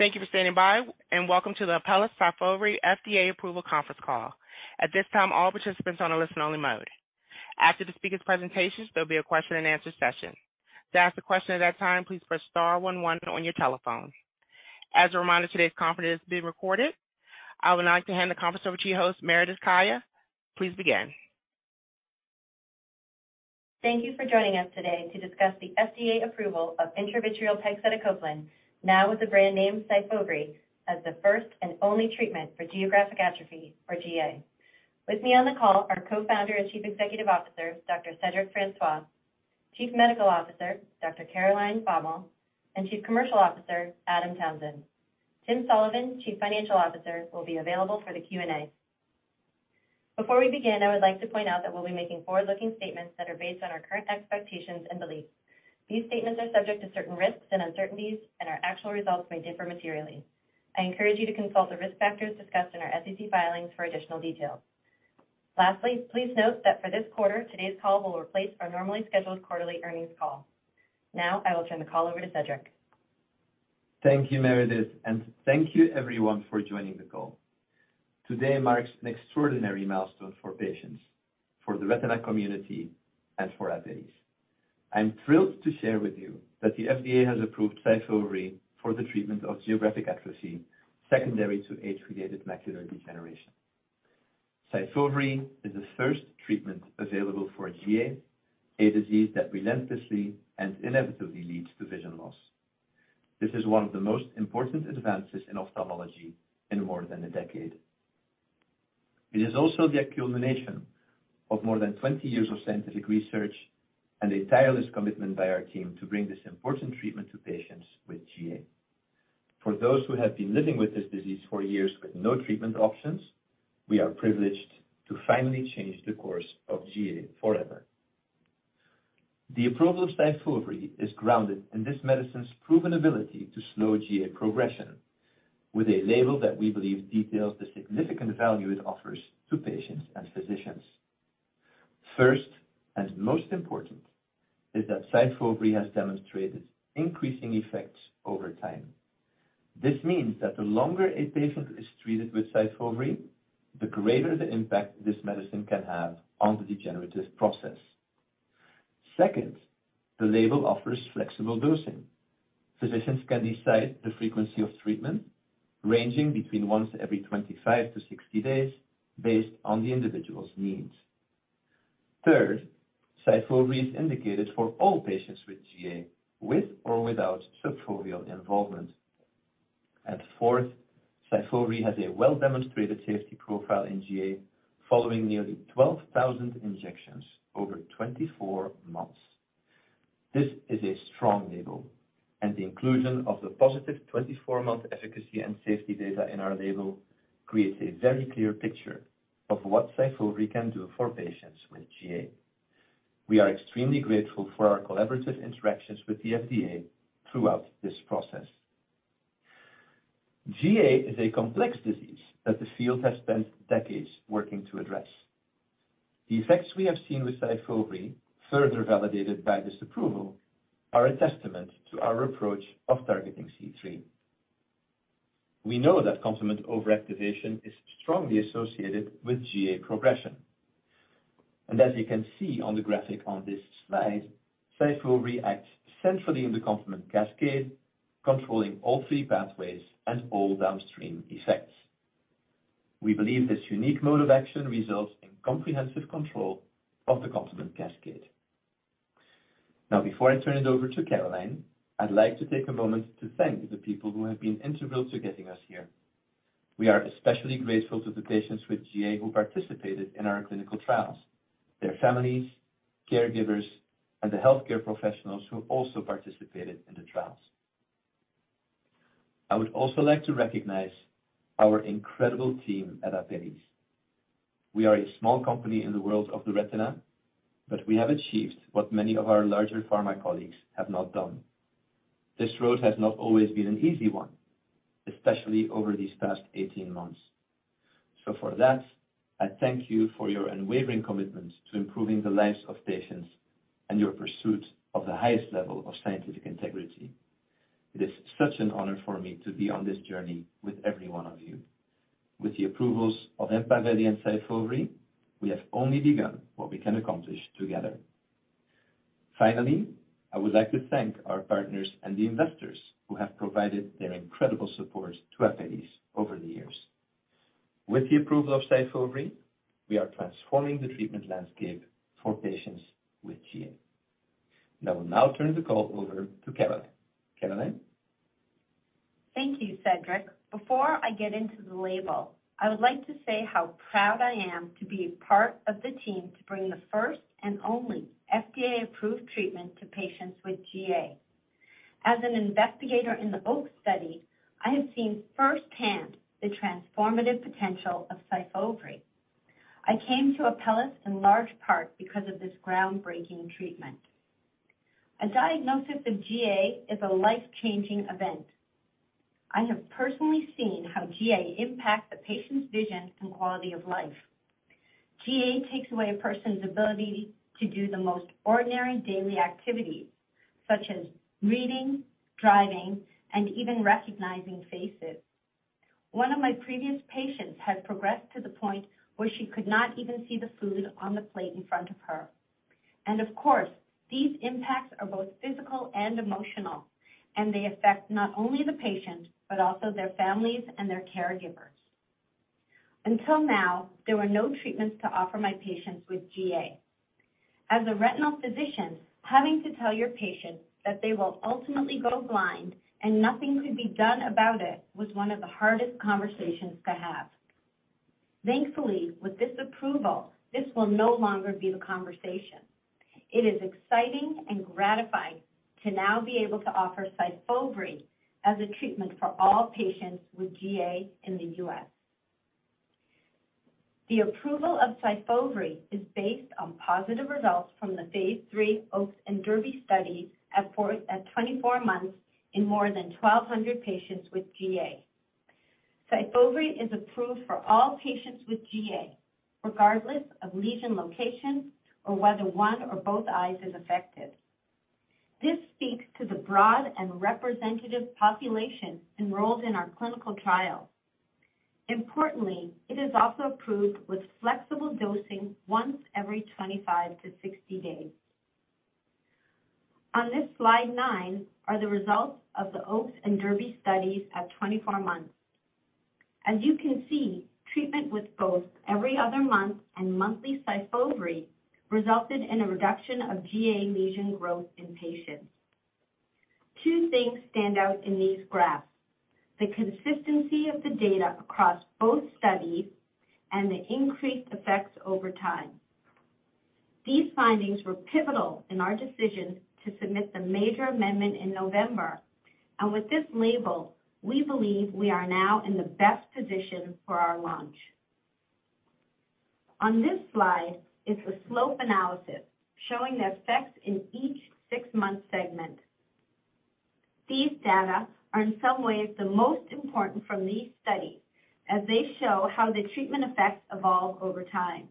Thank you for standing by, and welcome to the Apellis Syfovre FDA approval Conference Call. At this time, all participants are on a listen only mode. After the speakers' presentations, there'll be a question-and-answer session. To ask a question at that time, please press star one one on your telephone. As a reminder, today's conference is being recorded. I would now like to hand the conference over to your host, Meredith Kaya. Please begin. Thank you for joining us today to discuss the FDA approval of intravitreal pegcetacoplan, now with the brand name Syfovre, as the first and only treatment for geographic atrophy, or GA. With me on the call are co-founder and Chief Executive Officer, Dr. Cedric Francois; Chief Medical Officer, Dr. Caroline Baumal; and Chief Commercial Officer, Adam Townsend. Timothy Sullivan, Chief Financial Officer, will be available for the Q&A. Before we begin, I would like to point out that we'll be making forward-looking statements that are based on our current expectations and beliefs. These statements are subject to certain risks and uncertainties, and our actual results may differ materially. I encourage you to consult the risk factors discussed in our SEC filings for additional details. Lastly, please note that for this quarter, today's call will replace our normally scheduled quarterly earnings call. I will turn the call over to Cedric. Thank you, Meredith, and thank you everyone for joining the call. Today marks an extraordinary milestone for patients, for the retina community, and for Apellis. I'm thrilled to share with you that the FDA has approved Syfovre for the treatment of geographic atrophy secondary to age-related macular degeneration. Syfovre is the first treatment available for GA, a disease that relentlessly and inevitably leads to vision loss. This is one of the most important advances in ophthalmology in more than a decade. It is also the accumulation of more than 20 years of scientific research and a tireless commitment by our team to bring this important treatment to patients with GA. For those who have been living with this disease for years with no treatment options, we are privileged to finally change the course of GA forever. The approval of Syfovre is grounded in this medicine's proven ability to slow GA progression with a label that we believe details the significant value it offers to patients and physicians. First, most important, is that Syfovre has demonstrated increasing effects over time. This means that the longer a patient is treated with Syfovre, the greater the impact this medicine can have on the degenerative process. Second, the label offers flexible dosing. Physicians can decide the frequency of treatment ranging between once every 25 to 60 days based on the individual's needs. Third, Syfovre is indicated for all patients with GA, with or without subfoveal involvement. Fourth, Syfovre has a well-demonstrated safety profile in GA following nearly 12,000 injections over 24 months. This is a strong label, the inclusion of the positive 24-month efficacy and safety data in our label creates a very clear picture of what Syfovre can do for patients with GA. We are extremely grateful for our collaborative interactions with the FDA throughout this process. GA is a complex disease that the field has spent decades working to address. The effects we have seen with Syfovre, further validated by this approval, are a testament to our approach of targeting C3. We know that complement overactivation is strongly associated with GA progression. As you can see on the graphic on this slide, Syfovre acts centrally in the complement cascade, controlling all three pathways and all downstream effects. We believe this unique mode of action results in comprehensive control of the complement cascade. Now, before I turn it over to Caroline, I'd like to take a moment to thank the people who have been integral to getting us here. We are especially grateful to the patients with GA who participated in our clinical trials, their families, caregivers, and the healthcare professionals who also participated in the trials. I would also like to recognize our incredible team at Apellis. We are a small company in the world of the retina, but we have achieved what many of our larger pharma colleagues have not done. This road has not always been an easy one, especially over these past 18 months. For that, I thank you for your unwavering commitment to improving the lives of patients and your pursuit of the highest level of scientific integrity. It is such an honor for me to be on this journey with every one of you. With the approvals of EMPAVELI and Syfovre, we have only begun what we can accomplish together. Finally, I would like to thank our partners and the investors who have provided their incredible support to Apellis over the years. With the approval of Syfovre, we are transforming the treatment landscape for patients with GA. I will now turn the call over to Caroline. Caroline? Thank you, Cedric. Before I get into the label, I would like to say how proud I am to be a part of the team to bring the first and only FDA-approved treatment to patients with GA. As an investigator in the OAKS study, I have seen firsthand the transformative potential of Syfovre. I came to Apellis in large part because of this groundbreaking treatment. A diagnosis of GA is a life-changing event. I have personally seen how GA impacts the patient's vision and quality of life. GA takes away a person's ability to do the most ordinary daily activities, such as reading, driving, and even recognizing faces. One of my previous patients had progressed to the point where she could not even see the food on the plate in front of her. Of course, these impacts are both physical and emotional, and they affect not only the patient but also their families and their caregivers. Until now, there were no treatments to offer my patients with GA. As a retinal physician, having to tell your patients that they will ultimately go blind and nothing could be done about it was one of the hardest conversations to have. Thankfully, with this approval, this will no longer be the conversation. It is exciting and gratifying to now be able to offer Syfovre as a treatment for all patients with GA in the US The approval of Syfovre is based on positive results from the phase 3 OAKS and DERBY studies at 24 months in more than 1,200 patients with GA. Syfovre is approved for all patients with GA, regardless of lesion location or whether one or both eyes is affected. This speaks to the broad and representative population enrolled in our clinical trial. Importantly, it is also approved with flexible dosing once every 25 to 60 days. On this slide 9 are the results of the OAKS and DERBY studies at 24 months. As you can see, treatment with both every other month and monthly Syfovre resulted in a reduction of GA lesion growth in patients. Two things stand out in these graphs: the consistency of the data across both studies and the increased effects over time. These findings were pivotal in our decision to submit the major amendment in November. With this label, we believe we are now in the best position for our launch. On this slide is the slope analysis showing the effects in each 6-month segment. These data are in some ways the most important from these studies, as they show how the treatment effects evolve over time.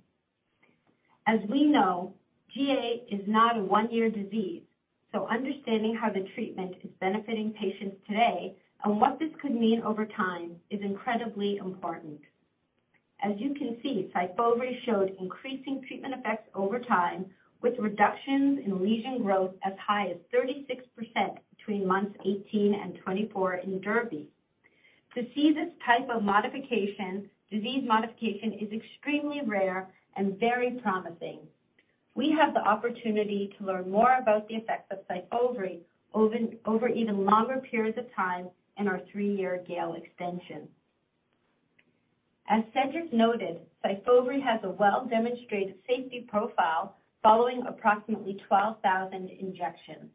We know, GA is not a one-year disease, so understanding how the treatment is benefiting patients today and what this could mean over time is incredibly important. You can see, Syfovre showed increasing treatment effects over time, with reductions in lesion growth as high as 36% between months 18 and 24 in DERBY. To see this type of disease modification is extremely rare and very promising. We have the opportunity to learn more about the effects of Syfovre over even longer periods of time in our three-year GAIL extension. Cedric noted, Syfovre has a well-demonstrated safety profile following approximately 12,000 injections.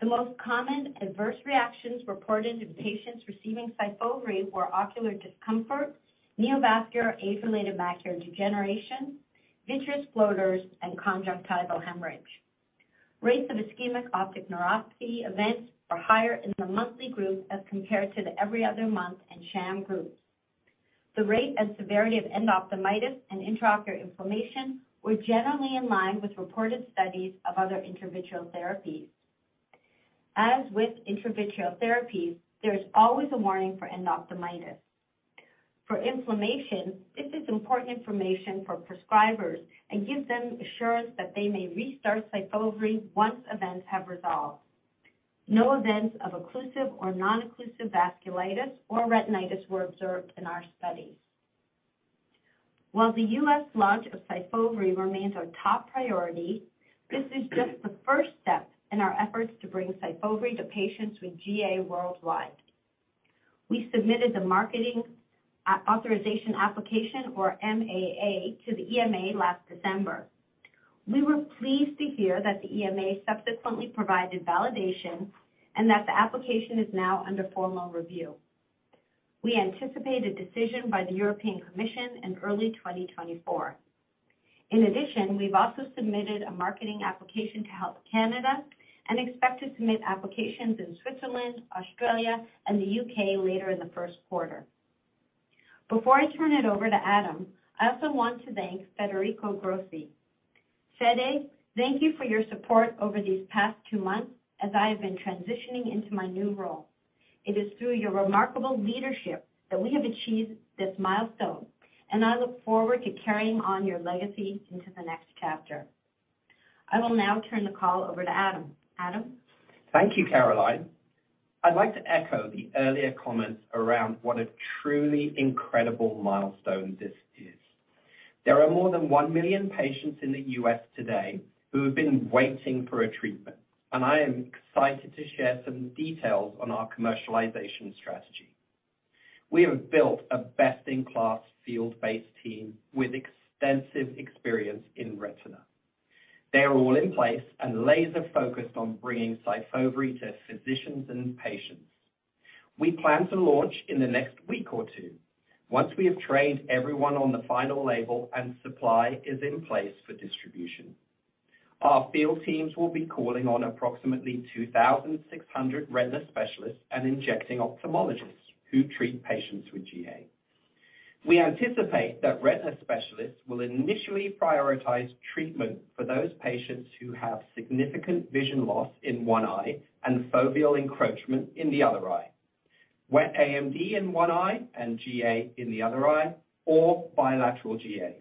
The most common adverse reactions reported in patients receiving Syfovre were ocular discomfort, neovascular, age-related macular degeneration, vitreous floaters, and conjunctival hemorrhage. Rates of ischemic optic neuropathy events are higher in the monthly group as compared to the every other month and sham groups. The rate and severity of endophthalmitis and intraocular inflammation were generally in line with reported studies of other intravitreal therapies. As with intravitreal therapies, there is always a warning for endophthalmitis. For inflammation, this is important information for prescribers and gives them assurance that they may restart Syfovre once events have resolved. No events of occlusive or non-occlusive vasculitis or retinitis were observed in our studies. While the US launch of Syfovre remains our top priority, this is just the first step in our efforts to bring Syfovre to patients with GA worldwide. We submitted the marketing authorization application or MAA to the EMA last December. We were pleased to hear that the EMA subsequently provided validation and that the application is now under formal review. We anticipate a decision by the European Commission in early 2024. In addition, we've also submitted a marketing application to Health Canada and expect to submit applications in Switzerland, Australia, and the U.K. later in the Q1. Before I turn it over to Adam, I also want to thank Federico Grossi. Fede, thank you for your support over these past two months as I have been transitioning into my new role. It is through your remarkable leadership that we have achieved this milestone, and I look forward to carrying on your legacy into the next chapter. I will now turn the call over to Adam. Adam? Thank you, Caroline. I'd like to echo the earlier comments around what a truly incredible milestone this is. There are more than 1 million patients in the US today who have been waiting for a treatment, and I am excited to share some details on our commercialization strategy. We have built a best-in-class field-based team with extensive experience in retina. They are all in place and laser-focused on bringing Syfovre to physicians and patients. We plan to launch in the next week or two once we have trained everyone on the final label and supply is in place for distribution. Our field teams will be calling on approximately 2,600 retina specialists and injecting ophthalmologists who treat patients with GA. We anticipate that retina specialists will initially prioritize treatment for those patients who have significant vision loss in one eye and foveal encroachment in the other eye. Wet AMD in one eye and GA in the other eye or bilateral GA.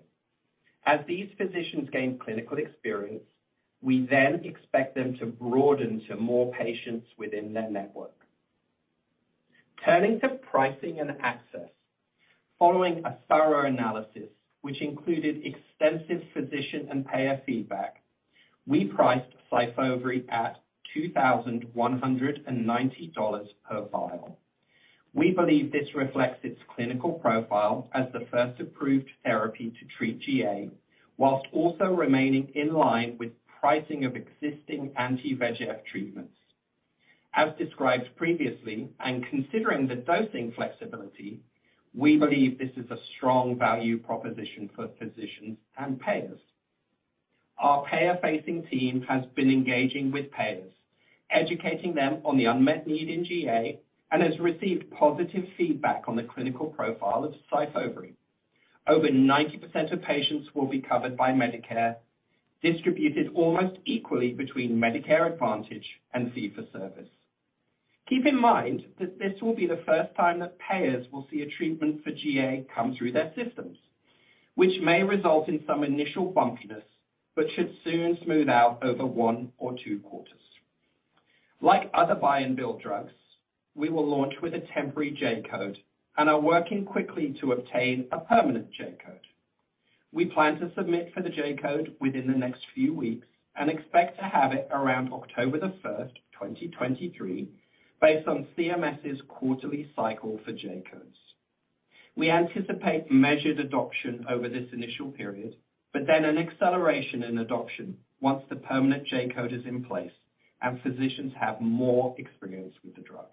As these physicians gain clinical experience, we then expect them to broaden to more patients within their network. Turning to pricing and access. Following a thorough analysis, which included extensive physician and payer feedback, we priced Syfovre at $2,190 per vial. We believe this reflects its clinical profile as the first approved therapy to treat GA, whilst also remaining in line with pricing of existing anti-VEGF treatments. As described previously and considering the dosing flexibility, we believe this is a strong value proposition for physicians and payers. Our payer-facing team has been engaging with payers, educating them on the unmet need in GA, and has received positive feedback on the clinical profile of Syfovre. Over 90% of patients will be covered by Medicare, distributed almost equally between Medicare Advantage and fee-for-service. Keep in mind that this will be the first time that payers will see a treatment for GA come through their systems, which may result in some initial bumpiness, but should soon smooth out over one or two quarters. Like other buy-and-bill drugs, we will launch with a temporary J-code and are working quickly to obtain a permanent J-code. We plan to submit for the J-code within the next few weeks and expect to have it around October 1, 2023, based on CMS's quarterly cycle for J-codes. We anticipate measured adoption over this initial period, but then an acceleration in adoption once the permanent J-code is in place and physicians have more experience with the drug.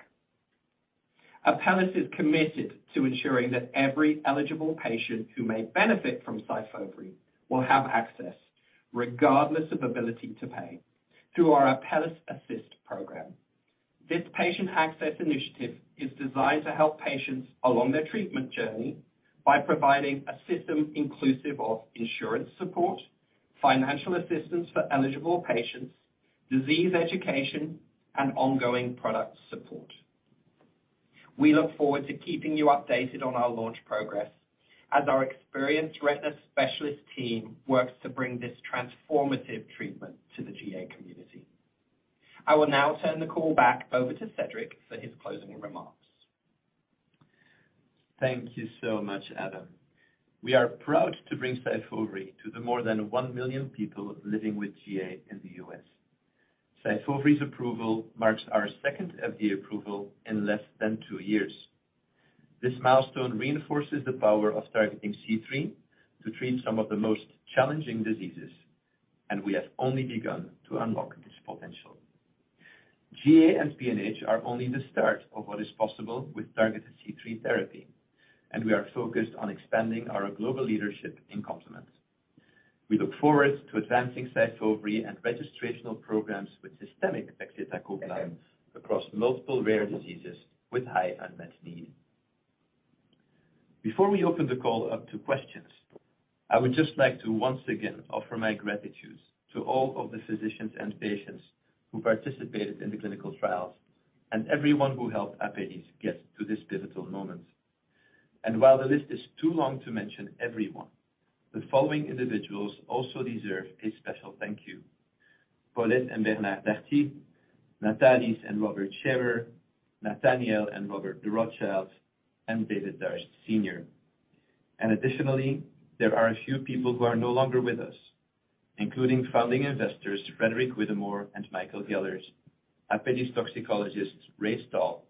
Apellis is committed to ensuring that every eligible patient who may benefit from Syfovre will have access regardless of ability to pay through our ApellisAssist program. This patient access initiative is designed to help patients along their treatment journey by providing a system inclusive of insurance support, financial assistance for eligible patients, disease education, and ongoing product support. We look forward to keeping you updated on our launch progress as our experienced retina specialist team works to bring this transformative treatment to the GA community. I will now turn the call back over to Cedric for his closing remarks. Thank you so much, Adam. We are proud to bring Syfovre to the more than 1 million people living with GA in the US Syfovre's approval marks our second FDA approval in less than 2 years. This milestone reinforces the power of targeting C3 to treat some of the most challenging diseases, and we have only begun to unlock this potential. GA and PNH are only the start of what is possible with targeted C3 therapy, and we are focused on expanding our global leadership in complement. We look forward to advancing Syfovre and registrational programs with systemic pegcetacoplan across multiple rare diseases with high unmet need. Before we open the call up to questions, I would just like to once again offer my gratitude to all of the physicians and patients who participated in the clinical trials and everyone who helped Apellis get to this pivotal moment. While the list is too long to mention everyone, the following individuals also deserve a special thank you. Paulette and Bernard Berti, Natalis and Robert Scheuer, Nathaniel and Robert de Rothschild, and David Darst Sr. Additionally, there are a few people who are no longer with us, including founding investors Frederick Whittemore and Michael Gellers, Apellis toxicologist Ray Stahl,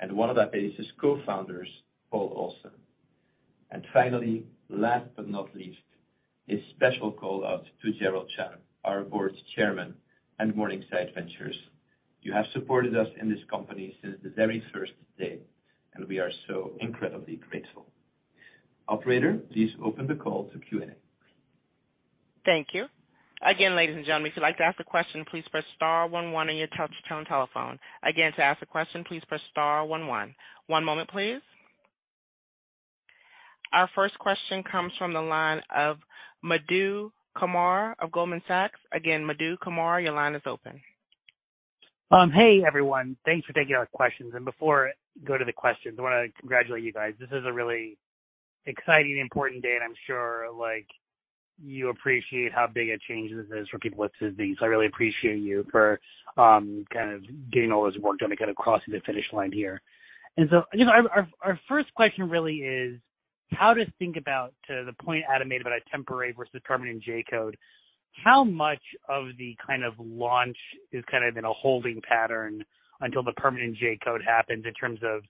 and one of Apellis' cofounders, Paul Olsen. Finally, last but not least, a special call-out to Gerald Chan, our board's chairman, and Morningside Ventures. You have supported us in this company since the very first day, and we are so incredibly grateful. Operator, please open the call to Q&A. Thank you. Again, ladies and gentlemen, if you'd like to ask a question, please press star one one on your touch-tone telephone. Again, to ask a question, please press star one one. One moment, please. Our first question comes from the line of Madhu Kumar of Goldman Sachs. Again, Madhu Kumar, your line is open. Hey, everyone. Thanks for taking our questions. Before I go to the questions, I want to congratulate you guys. This is a really exciting and important day, and I'm sure, like, you appreciate how big a change this is for people with this disease. I really appreciate you for kind of getting all this work done to kind of crossing the finish line here. You know, our first question really is how to think about, to the point Adam made about a temporary versus permanent J-code, how much of the kind of launch is kind of in a holding pattern until the permanent J-code happens in terms of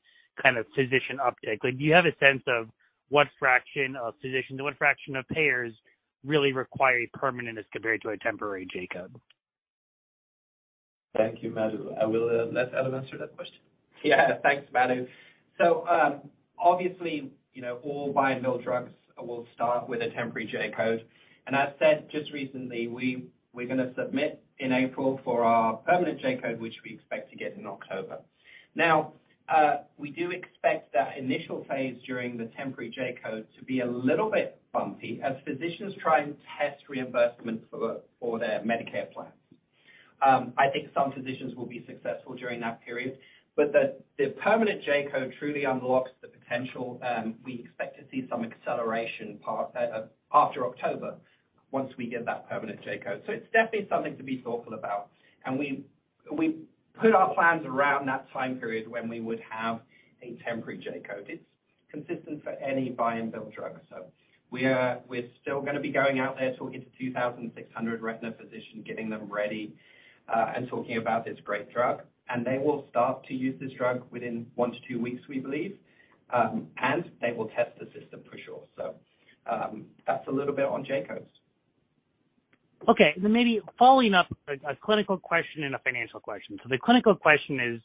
kind of physician uptick? Like, do you have a sense of what fraction of physicians or what fraction of payers really require a permanence compared to a temporary J-code? Thank you, Madhu. I will let Adam answer that question. Thanks, Madhu. Obviously, you know, all buy-and-bill drugs will start with a temporary J-code. As said just recently, we're gonna submit in April for our permanent J-code, which we expect to get in October. We do expect that initial phase during the temporary J-code to be a little bit bumpy as physicians try and test reimbursement for their Medicare plans. I think some physicians will be successful during that period, but the permanent J-code truly unlocks the potential. We expect to see some acceleration after October once we get that permanent J-code. It's definitely something to be thoughtful about. We put our plans around that time period when we would have a temporary J-code. It's consistent for any buy-and-bill drug. We're still gonna be going out there talking to 2,600 retina physicians, getting them ready, and talking about this great drug. They will start to use this drug within 1 to 2 weeks, we believe. They will test the system for sure. That's a little bit on J-codes. Okay, maybe following up, a clinical question and a financial question. The clinical question is: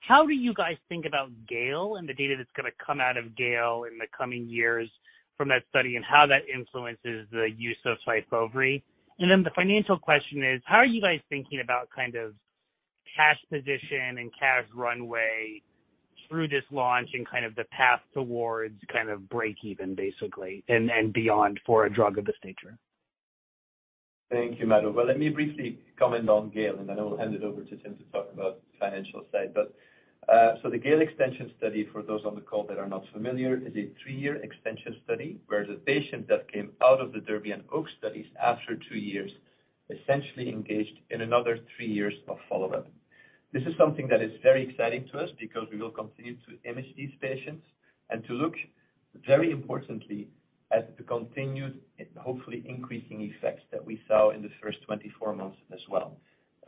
how do you guys think about GAIL and the data that's gonna come out of GAIL in the coming years from that study, and how that influences the use of Syfovre? The financial question is: how are you guys thinking about kind of cash position and cash runway through this launch and kind of the path towards kind of breakeven basically and beyond for a drug of this nature? Thank you, Madhu. Well, let me briefly comment on GAIL, and then I will hand it over to Tim to talk about the financial side. The GAIL extension study, for those on the call that are not familiar, is a three-year extension study where the patient that came out of the DERBY and OAKS studies after two years, essentially engaged in another three years of follow-up. This is something that is very exciting to us because we will continue to image these patients and to look very importantly at the continued and hopefully increasing effects that we saw in the first 24 months as well.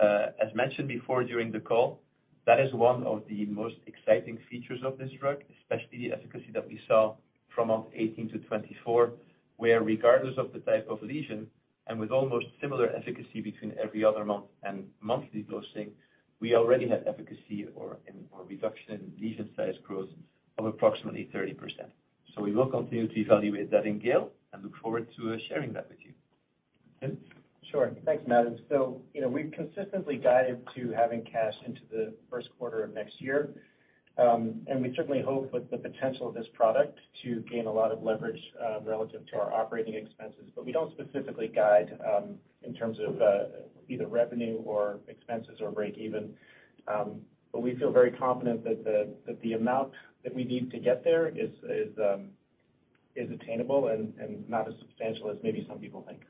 As mentioned before during the call, that is one of the most exciting features of this drug, especially the efficacy that we saw from month 18 to 24, where regardless of the type of lesion and with almost similar efficacy between every other month and monthly dosing, we already had efficacy or, and, or reduction in lesion size growth of approximately 30%. We will continue to evaluate that in GAIL and look forward to sharing that with you. Tim? Sure. Thanks, Madhu. You know, we've consistently guided to having cash into the Q1 of next year. We certainly hope with the potential of this product to gain a lot of leverage, relative to our operating expenses. We don't specifically guide, in terms of, either revenue or expenses or breakeven. We feel very confident that the amount that we need to get there is attainable and not as substantial as maybe some people think.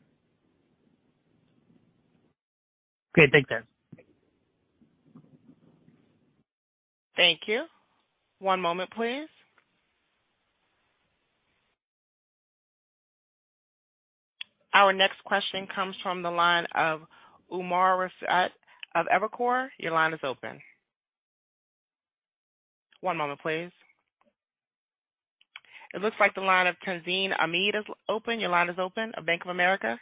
Great. Thanks, guys. Thank you. One moment, please. Our next question comes from the line of Umer Raffat of Evercore. Your line is open. One moment, please. It looks like the line of Tazeen Ahmad is open. Your line is open, of Bank of America.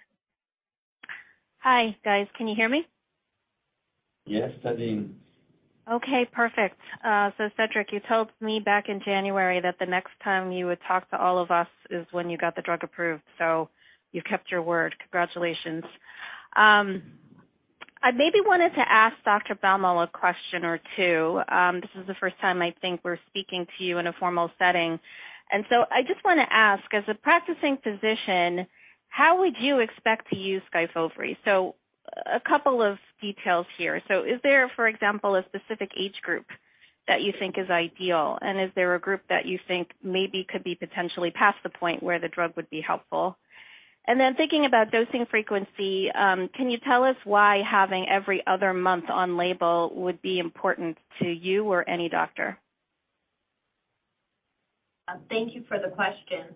Hi, guys. Can you hear me? Yes, Tazeen. Okay, perfect. Cedric, you told me back in January that the next time you would talk to all of us is when you got the drug approved. You kept your word. Congratulations. I maybe wanted to ask Dr. Baumal a question or two. This is the first time I think we're speaking to you in a formal setting. I just wanna ask, as a practicing physician, how would you expect to use Syfovre? A couple of details here. Is there, for example, a specific age group that you think is ideal? Is there a group that you think maybe could be potentially past the point where the drug would be helpful? Thinking about dosing frequency, can you tell us why having every other month on label would be important to you or any doctor? Thank you for the question.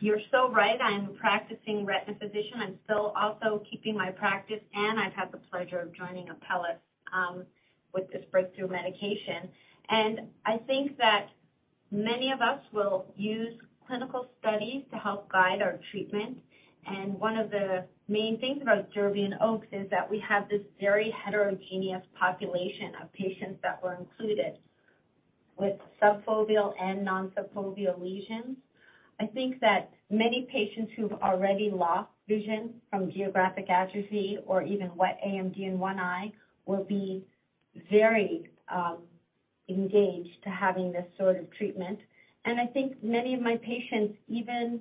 You're so right. I'm a practicing retina physician. I'm still also keeping my practice, and I've had the pleasure of joining Apellis with this breakthrough medication. I think that many of us will use clinical studies to help guide our treatment. One of the main things about DERBY and OAKS is that we have this very heterogeneous population of patients that were included with subfoveal and non-subfoveal lesions. I think that many patients who've already lost vision from geographic atrophy or even wet AMD in one eye will be very engaged to having this sort of treatment. I think many of my patients, even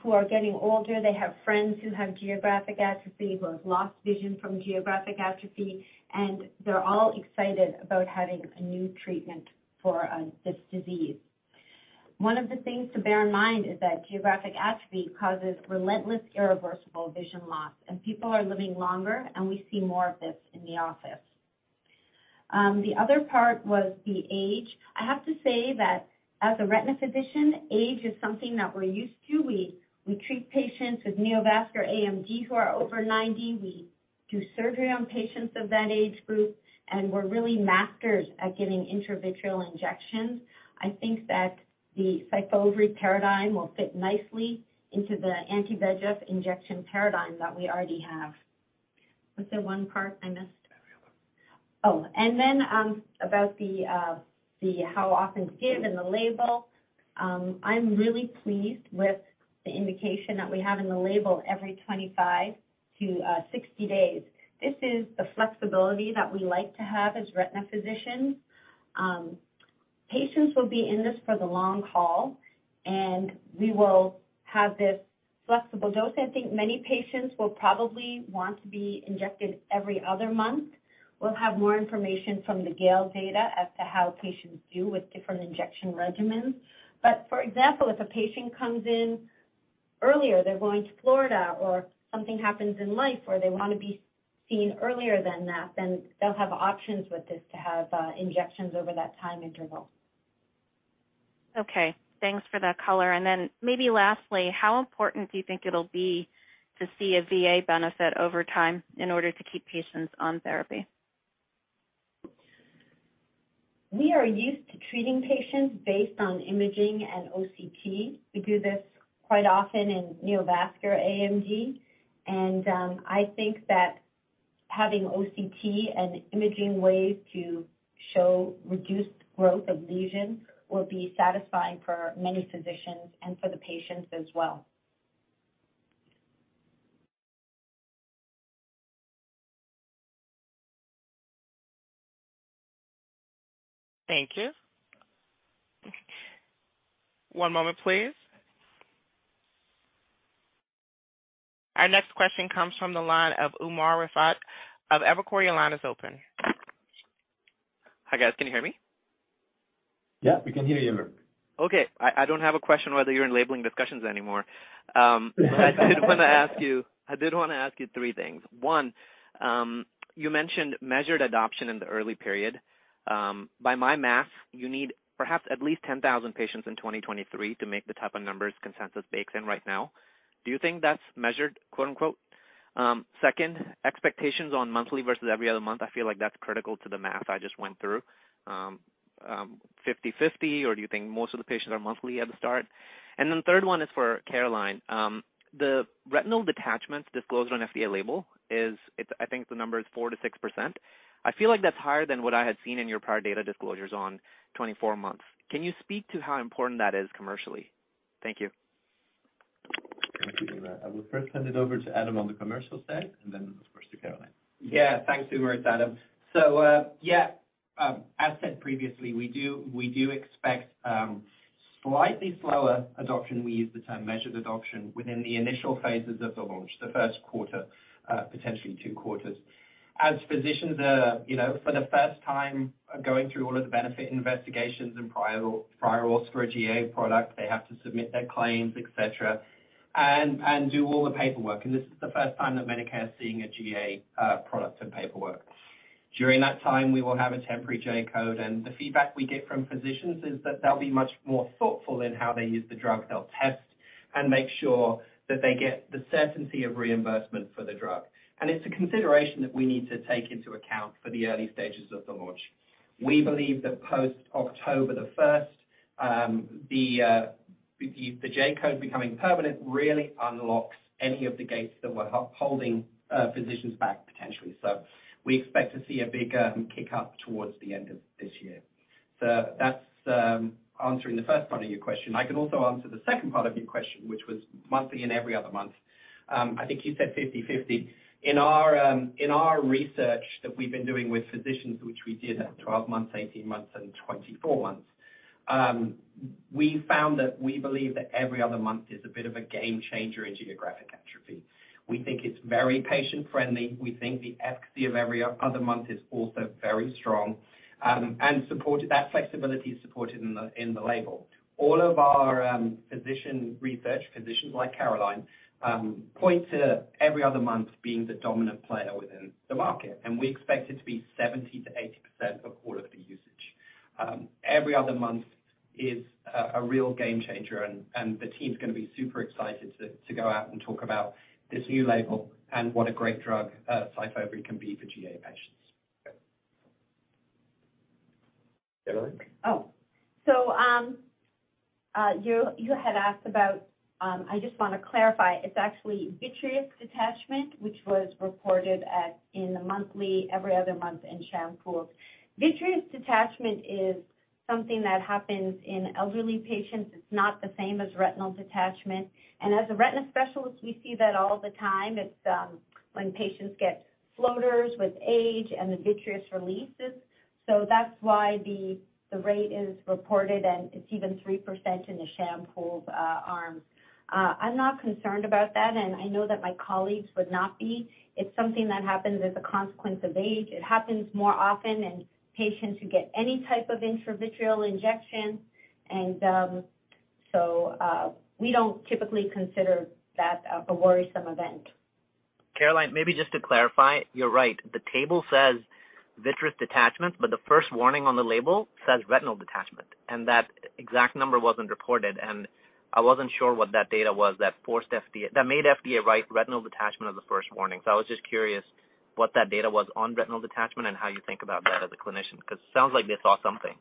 who are getting older, they have friends who have geographic atrophy, who have lost vision from geographic atrophy, and they're all excited about having a new treatment for this disease. One of the things to bear in mind is that geographic atrophy causes relentless, irreversible vision loss, and people are living longer, and we see more of this in the office. The other part was the age. I have to say that as a retina physician, age is something that we're used to. We treat patients with neovascular AMD who are over 90. We do surgery on patients of that age group, and we're really masters at giving intravitreal injections. I think that the Syfovre paradigm will fit nicely into the anti-VEGF injection paradigm that we already have. Was there one part I missed? About the how often given the label, I'm really pleased with the indication that we have in the label every 25 to 60 days. This is the flexibility that we like to have as retina physicians. Patients will be in this for the long haul. We will have this flexible dose. I think many patients will probably want to be injected every other month. We'll have more information from the GAIL data as to how patients do with different injection regimens. For example, if a patient comes in earlier, they're going to Florida or something happens in life where they want to be seen earlier than that, then they'll have options with this to have injections over that time interval. Okay. Thanks for that color. Lastly, how important do you think it'll be to see a VA benefit over time in order to keep patients on therapy? We are used to treating patients based on imaging and OCT. We do this quite often in neovascular AMD. I think that having OCT and imaging ways to show reduced growth of lesions will be satisfying for many physicians and for the patients as well. Thank you. One moment, please. Our next question comes from the line of Umer Raffat of Evercore. Your line is open. Hi, guys. Can you hear me? Yeah, we can hear you. Okay. I don't have a question whether you're in labeling discussions anymore. But I did wanna ask you three things. One, you mentioned measured adoption in the early period. By my math, you need perhaps at least 10,000 patients in 2023 to make the type of numbers consensus bakes in right now. Do you think that's measured, quote-unquote? Second, expectations on monthly versus every other month, I feel like that's critical to the math I just went through. 50/50, or do you think most of the patients are monthly at the start? Third one is for Caroline. The retinal detachment disclosed on FDA label is, I think the number is 4%-6%. I feel like that's higher than what I had seen in your prior data disclosures on 24 months. Can you speak to how important that is commercially? Thank you. Thank you, Umer. I will first hand it over to Adam on the commercial side, and then of course, to Caroline. Yeah. Thanks, Umer. It's Adam. As said previously, we do expect slightly slower adoption. We use the term measured adoption within the initial phases of the launch, the Q1, potentially two quarters. As physicians are, you know, for the first time are going through all of the benefit investigations and prior auth for a GA product, they have to submit their claims, et cetera, and do all the paperwork. This is the first time that Medicare is seeing a GA product and paperwork. During that time, we will have a temporary J-code, and the feedback we get from physicians is that they'll be much more thoughtful in how they use the drug. They'll test and make sure that they get the certainty of reimbursement for the drug. It's a consideration that we need to take into account for the early stages of the launch. We believe that post-October the 1st, with the J-code becoming permanent really unlocks any of the gates that were holding physicians back potentially. We expect to see a big kick up towards the end of this year. That's answering the 1st part of your question. I can also answer the 2nd part of your question, which was monthly and every other month. I think you said 50/50. In our research that we've been doing with physicians, which we did at 12 months, 18 months, and 24 months, we found that we believe that every other month is a bit of a game changer in geographic atrophy. We think it's very patient-friendly. We think the efficacy of every other month is also very strong, and supported, that flexibility is supported in the label. All of our physician research, physicians like Caroline, point to every other month being the dominant player within the market, and we expect it to be 70%-80% of all of the usage. Every other month is a real game changer. The team's gonna be super excited to go out and talk about this new label and what a great drug, Syfovre can be for GA patients. Caroline? You had asked about, I just wanna clarify. It's actually vitreous detachment, which was reported at in the monthly, every other month in sham pools. Vitreous detachment is something that happens in elderly patients. It's not the same as retinal detachment. As a retina specialist, we see that all the time. It's when patients get floaters with age and the vitreous releases. That's why the rate is reported, and it's even 3% in the sham pools arm. I'm not concerned about that, and I know that my colleagues would not be. It's something that happens as a consequence of age. It happens more often in patients who get any type of intravitreal injection. We don't typically consider that a worrisome event. Caroline, maybe just to clarify, you're right. The table says vitreous detachment, but the first warning on the label says retinal detachment, and that exact number wasn't reported. I wasn't sure what that data was that made FDA write retinal detachment as the first warning. I was just curious what that data was on retinal detachment and how you think about that as a clinician, 'cause it sounds like they saw something.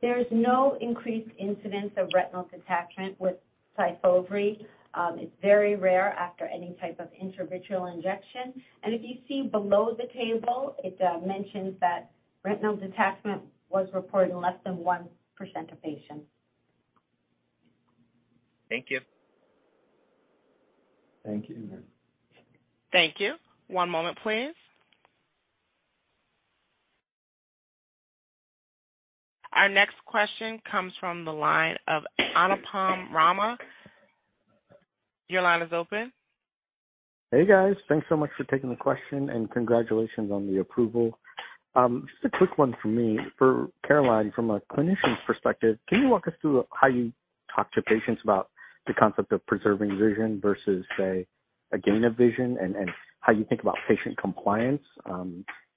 There is no increased incidence of retinal detachment with Syfovre. It's very rare after any type of intravitreal injection. If you see below the table, it mentions that retinal detachment was reported in less than 1% of patients. Thank you. Thank you. Thank you. One moment, please. Our next question comes from the line of Anupam Rama. Your line is open. Hey, guys. Thanks so much for taking the question and congratulations on the approval. Just a quick one from me. For Caroline, from a clinician's perspective, can you walk us through how you talk to patients about the concept of preserving vision versus, say, a gain of vision and how you think about patient compliance,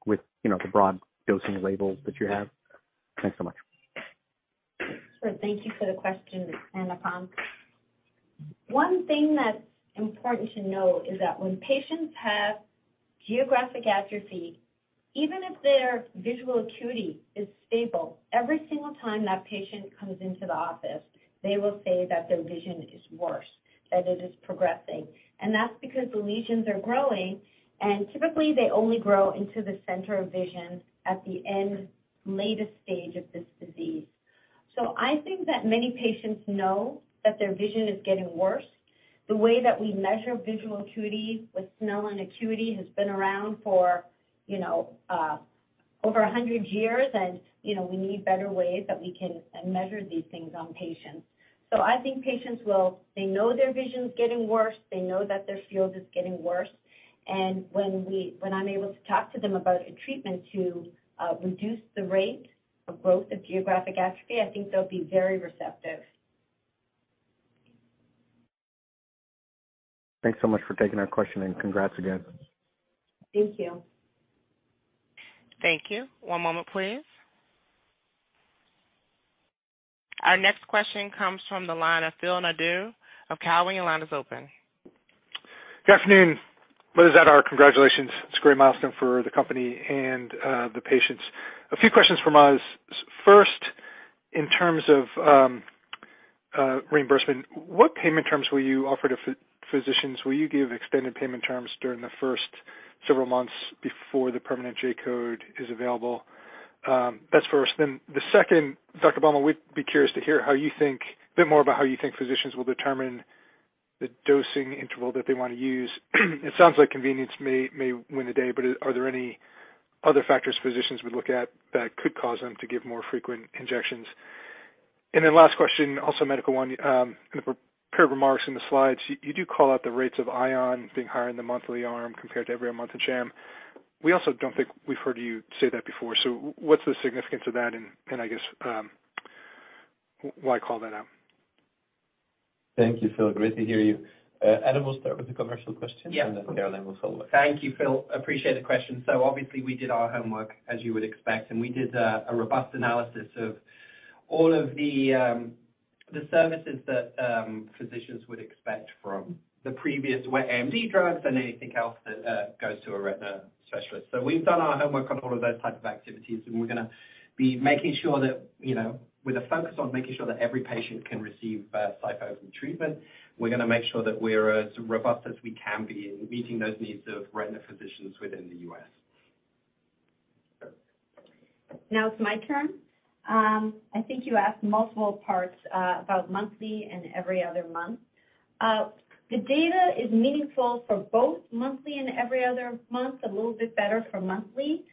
with, you know, the broad dosing labels that you have? Thanks so much. Sure. Thank you for the question, Anupam. One thing that's important to note is that when patients have geographic atrophy, even if their visual acuity is stable, every single time that patient comes into the office, they will say that their vision is worse, that it is progressing. That's because the lesions are growing, and typically they only grow into the center of vision at the end latest stage of this disease. I think that many patients know that their vision is getting worse. The way that we measure visual acuity with Snellen acuity has been around for, you know, 100 years. You know, we need better ways that we can measure these things on patients. They know their vision's getting worse. They know that their field is getting worse. When I'm able to talk to them about a treatment to reduce the rate of growth of geographic atrophy, I think they'll be very receptive. Thanks so much for taking our question and congrats again. Thank you. Thank you. One moment, please. Our next question comes from the line of Philip Nadeau of TD Cowen. Your line is open. Good afternoon, ladies and congratulations. It's a great milestone for the company and the patients. A few questions from us. First, in terms of reimbursement, what payment terms will you offer to physicians? Will you give extended payment terms during the first several months before the permanent J-code is available? That's first. The second, Caroline Baumal, we'd be curious to hear how you think, a bit more about how you think physicians will determine the dosing interval that they wanna use. It sounds like convenience may win the day, are there any other factors physicians would look at that could cause them to give more frequent injections? Last question, also a medical one. In the prepared remarks in the slides, you do call out the rates of ION being higher in the monthly arm compared to every other month in sham. We also don't think we've heard you say that before. What's the significance of that and I guess, why call that out? Thank you, Phil. Great to hear you. Adam will start with the commercial question. Yeah. Caroline will follow up. Thank you, Phil. Appreciate the question. Obviously we did our homework, as you would expect, and we did a robust analysis of all of the services that physicians would expect from the previous wet AMD drugs and anything else that goes to a retina specialist. We've done our homework on all of those type of activities, and we're gonna be making sure that, you know, with a focus on making sure that every patient can receive Syfovre treatment. We're gonna make sure that we're as robust as we can be in meeting those needs of retina physicians within the US Now it's my turn. I think you asked multiple parts about monthly and every other month. The data is meaningful for both monthly and every other month, a little bit better for monthly.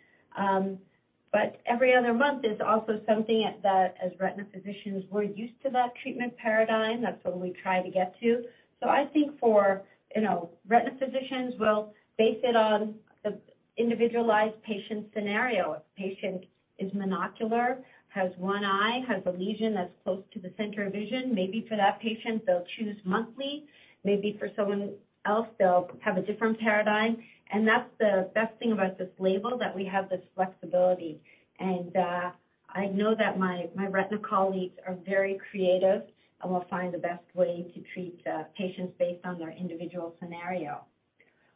Every other month is also something as retina physicians, we're used to that treatment paradigm. That's what we try to get to. I think for, you know, retina physicians will base it on the individualized patient scenario. If the patient is monocular, has one eye, has a lesion that's close to the center of vision, maybe for that patient, they'll choose monthly. Maybe for someone else, they'll have a different paradigm. That's the best thing about this label, that we have this flexibility. I know that my retina colleagues are very creative and will find the best way to treat patients based on their individual scenario.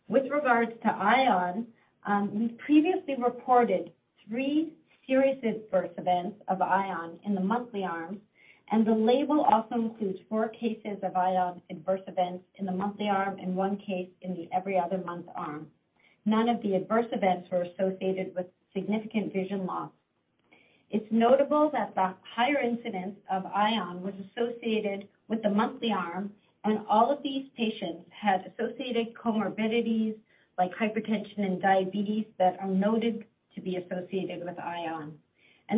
With regards to ION, we've previously reported 3 serious adverse events of ION in the monthly arm, and the label also includes 4 cases of ION adverse events in the monthly arm and 1 case in the every other month arm. None of the adverse events were associated with significant vision loss. It's notable that the higher incidence of ION was associated with the monthly arm. All of these patients had associated comorbidities like hypertension and diabetes that are noted to be associated with ION.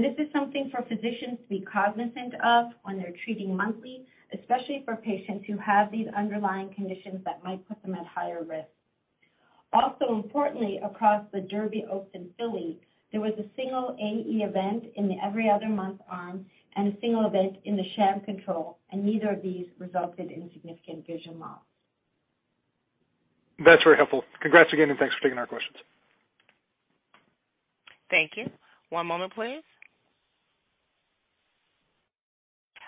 This is something for physicians to be cognizant of when they're treating monthly, especially for patients who have these underlying conditions that might put them at higher risk. Also importantly, across the DERBY, OAKS, and FILLY, there was a single AE event in the every other month arm and a single event in the sham control, and neither of these resulted in significant vision loss. That's very helpful. Congrats again, and thanks for taking our questions. Thank you. One moment, please.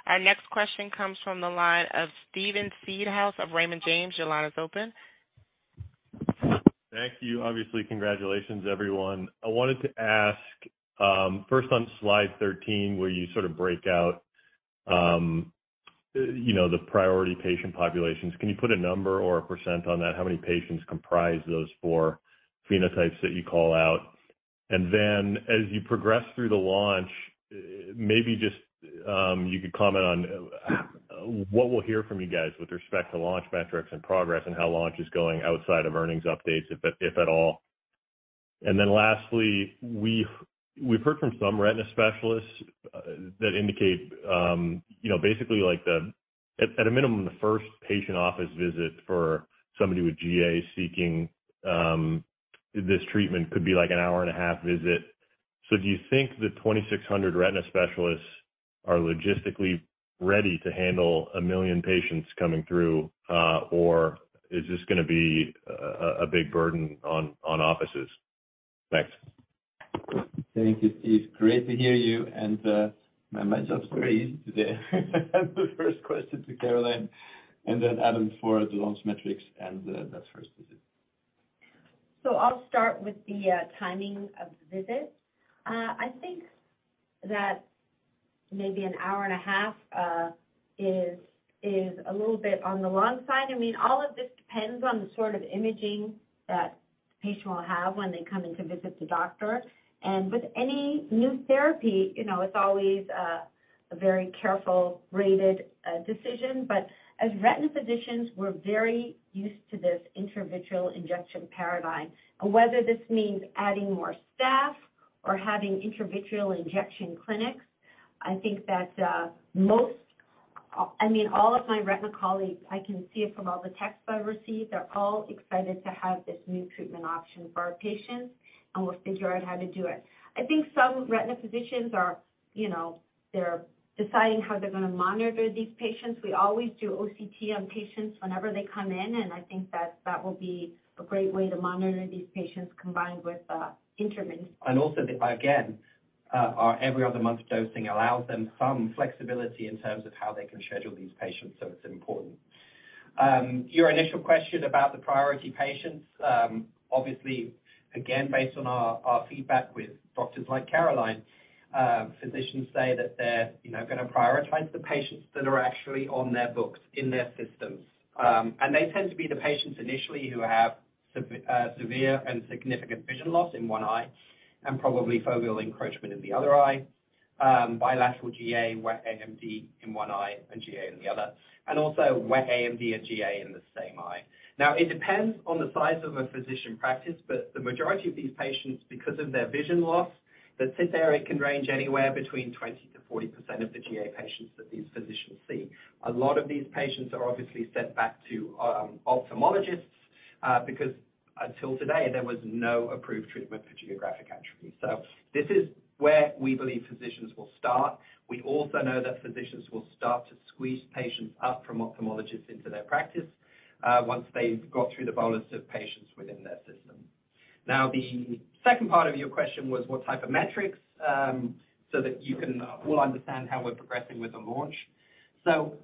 Our next question comes from the line of Steven Seedhouse of Raymond James. Your line is open. Thank you. Obviously, congratulations everyone. I wanted to ask, first on slide 13, where you sort of break out, you know, the priority patient populations. Can you put a number or a percent on that? How many patients comprise those four phenotypes that you call out? As you progress through the launch, maybe just you could comment on what we'll hear from you guys with respect to launch metrics and progress and how launch is going outside of earnings updates, if at all. Lastly, we've heard from some retina specialists that indicate, you know, basically like at a minimum, the first patient office visit for somebody with GA seeking this treatment could be like an hour and a half visit. Do you think the 2,600 retina specialists are logistically ready to handle 1 million patients coming through, or is this gonna be a big burden on offices? Thanks. Thank you, Steve. Great to hear you. My job's very easy today. The first question to Caroline, then Adam for the launch metrics and that first visit. I'll start with the timing of the visit. I think that maybe an hour and a half is a little bit on the long side. I mean, all of this depends on the sort of imaging that the patient will have when they come in to visit the doctor. With any new therapy, you know, it's always a very careful rated decision. As retina physicians, we're very used to this intravitreal injection paradigm. Whether this means adding more staff or having intravitreal injection clinics, I think that, I mean, all of my retina colleagues, I can see it from all the texts I've received, are all excited to have this new treatment option for our patients, and we'll figure out how to do it. I think some retina physicians are, you know, they're deciding how they're gonna monitor these patients. We always do OCT on patients whenever they come in. I think that that will be a great way to monitor these patients combined with. Also, again, our every other month dosing allows them some flexibility in terms of how they can schedule these patients, so it's important. Your initial question about the priority patients, obviously, again, based on our feedback with doctors like Caroline, physicians say that they're, you know, gonna prioritize the patients that are actually on their books, in their systems. They tend to be the patients initially who have severe and significant vision loss in one eye and probably foveal encroachment in the other eye, bilateral GA, wet AMD in one eye and GA in the other, also wet AMD and GA in the same eye. It depends on the size of a physician practice, but the majority of these patients, because of their vision loss, the SITS area can range anywhere between 20%-40% of the GA patients that these physicians see. A lot of these patients are obviously sent back to ophthalmologists, because until today, there was no approved treatment for geographic atrophy. This is where we believe physicians will start. We also know that physicians will start to squeeze patients out from ophthalmologists into their practice, once they've got through the bolus of patients within their system. The second part of your question was what type of metrics, so that you can all understand how we're progressing with the launch.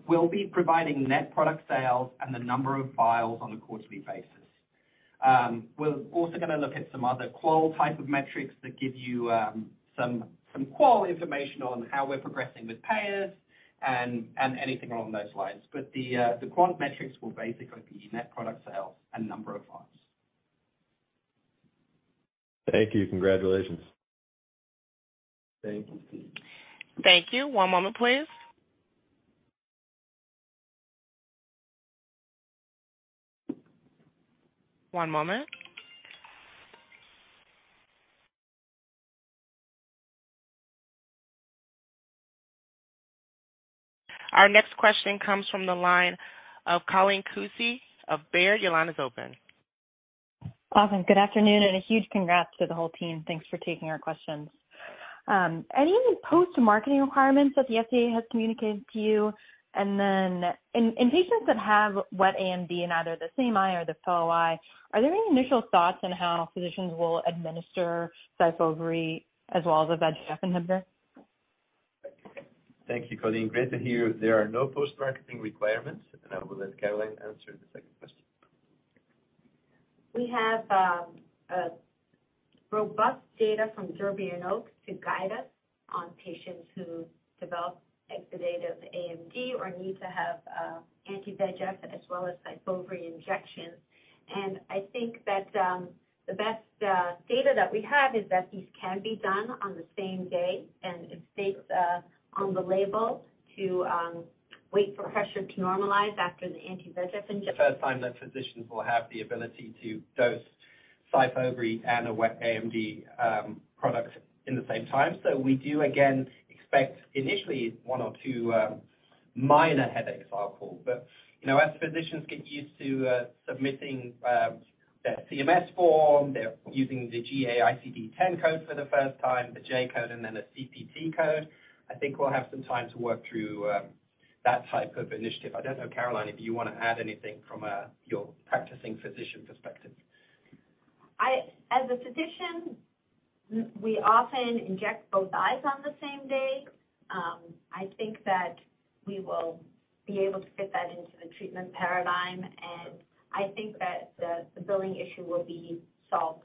We'll be providing net product sales and the number of files on a quarterly basis. We're also gonna look at some other qual type of metrics that give you some qual information on how we're progressing with payers and anything along those lines. The quant metrics will basically be net product sales and number of files. Thank you. Congratulations. Thank you, Steve. Thank you. One moment, please. One moment. Our next question comes from the line of Colleen Kusy of Baird. Your line is open. Colleen, good afternoon, and a huge congrats to the whole team. Thanks for taking our questions. Any post-marketing requirements that the FDA has communicated to you? Then in patients that have wet AMD in either the same eye or the fellow eye, are there any initial thoughts on how physicians will administer Syfovre as well as the bevacizumab in there? Thank you, Colleen. Great to hear you. There are no post-marketing requirements, and I will let Caroline answer the second question. We have a robust data from DERBY and OAKS to guide us on patients who develop exudative AMD or need to have anti-VEGF as well as Syfovre injections. I think that the best data that we have is that these can be done on the same day. It states on the label to wait for pressure to normalize after the anti-VEGF injection. The first time that physicians will have the ability to dose Syfovre and a wet AMD product in the same time. We do again expect initially one or two minor headaches are called. You know, as physicians get used to submitting their CMS form, they're using the GA ICD-10 code for the first time, the J-code and then a CPT code. I think we'll have some time to work through that type of initiative. I don't know, Caroline, if you wanna add anything from your practicing physician perspective. As a physician. We often inject both eyes on the same day. I think that we will be able to fit that into the treatment paradigm. I think that the billing issue will be solved.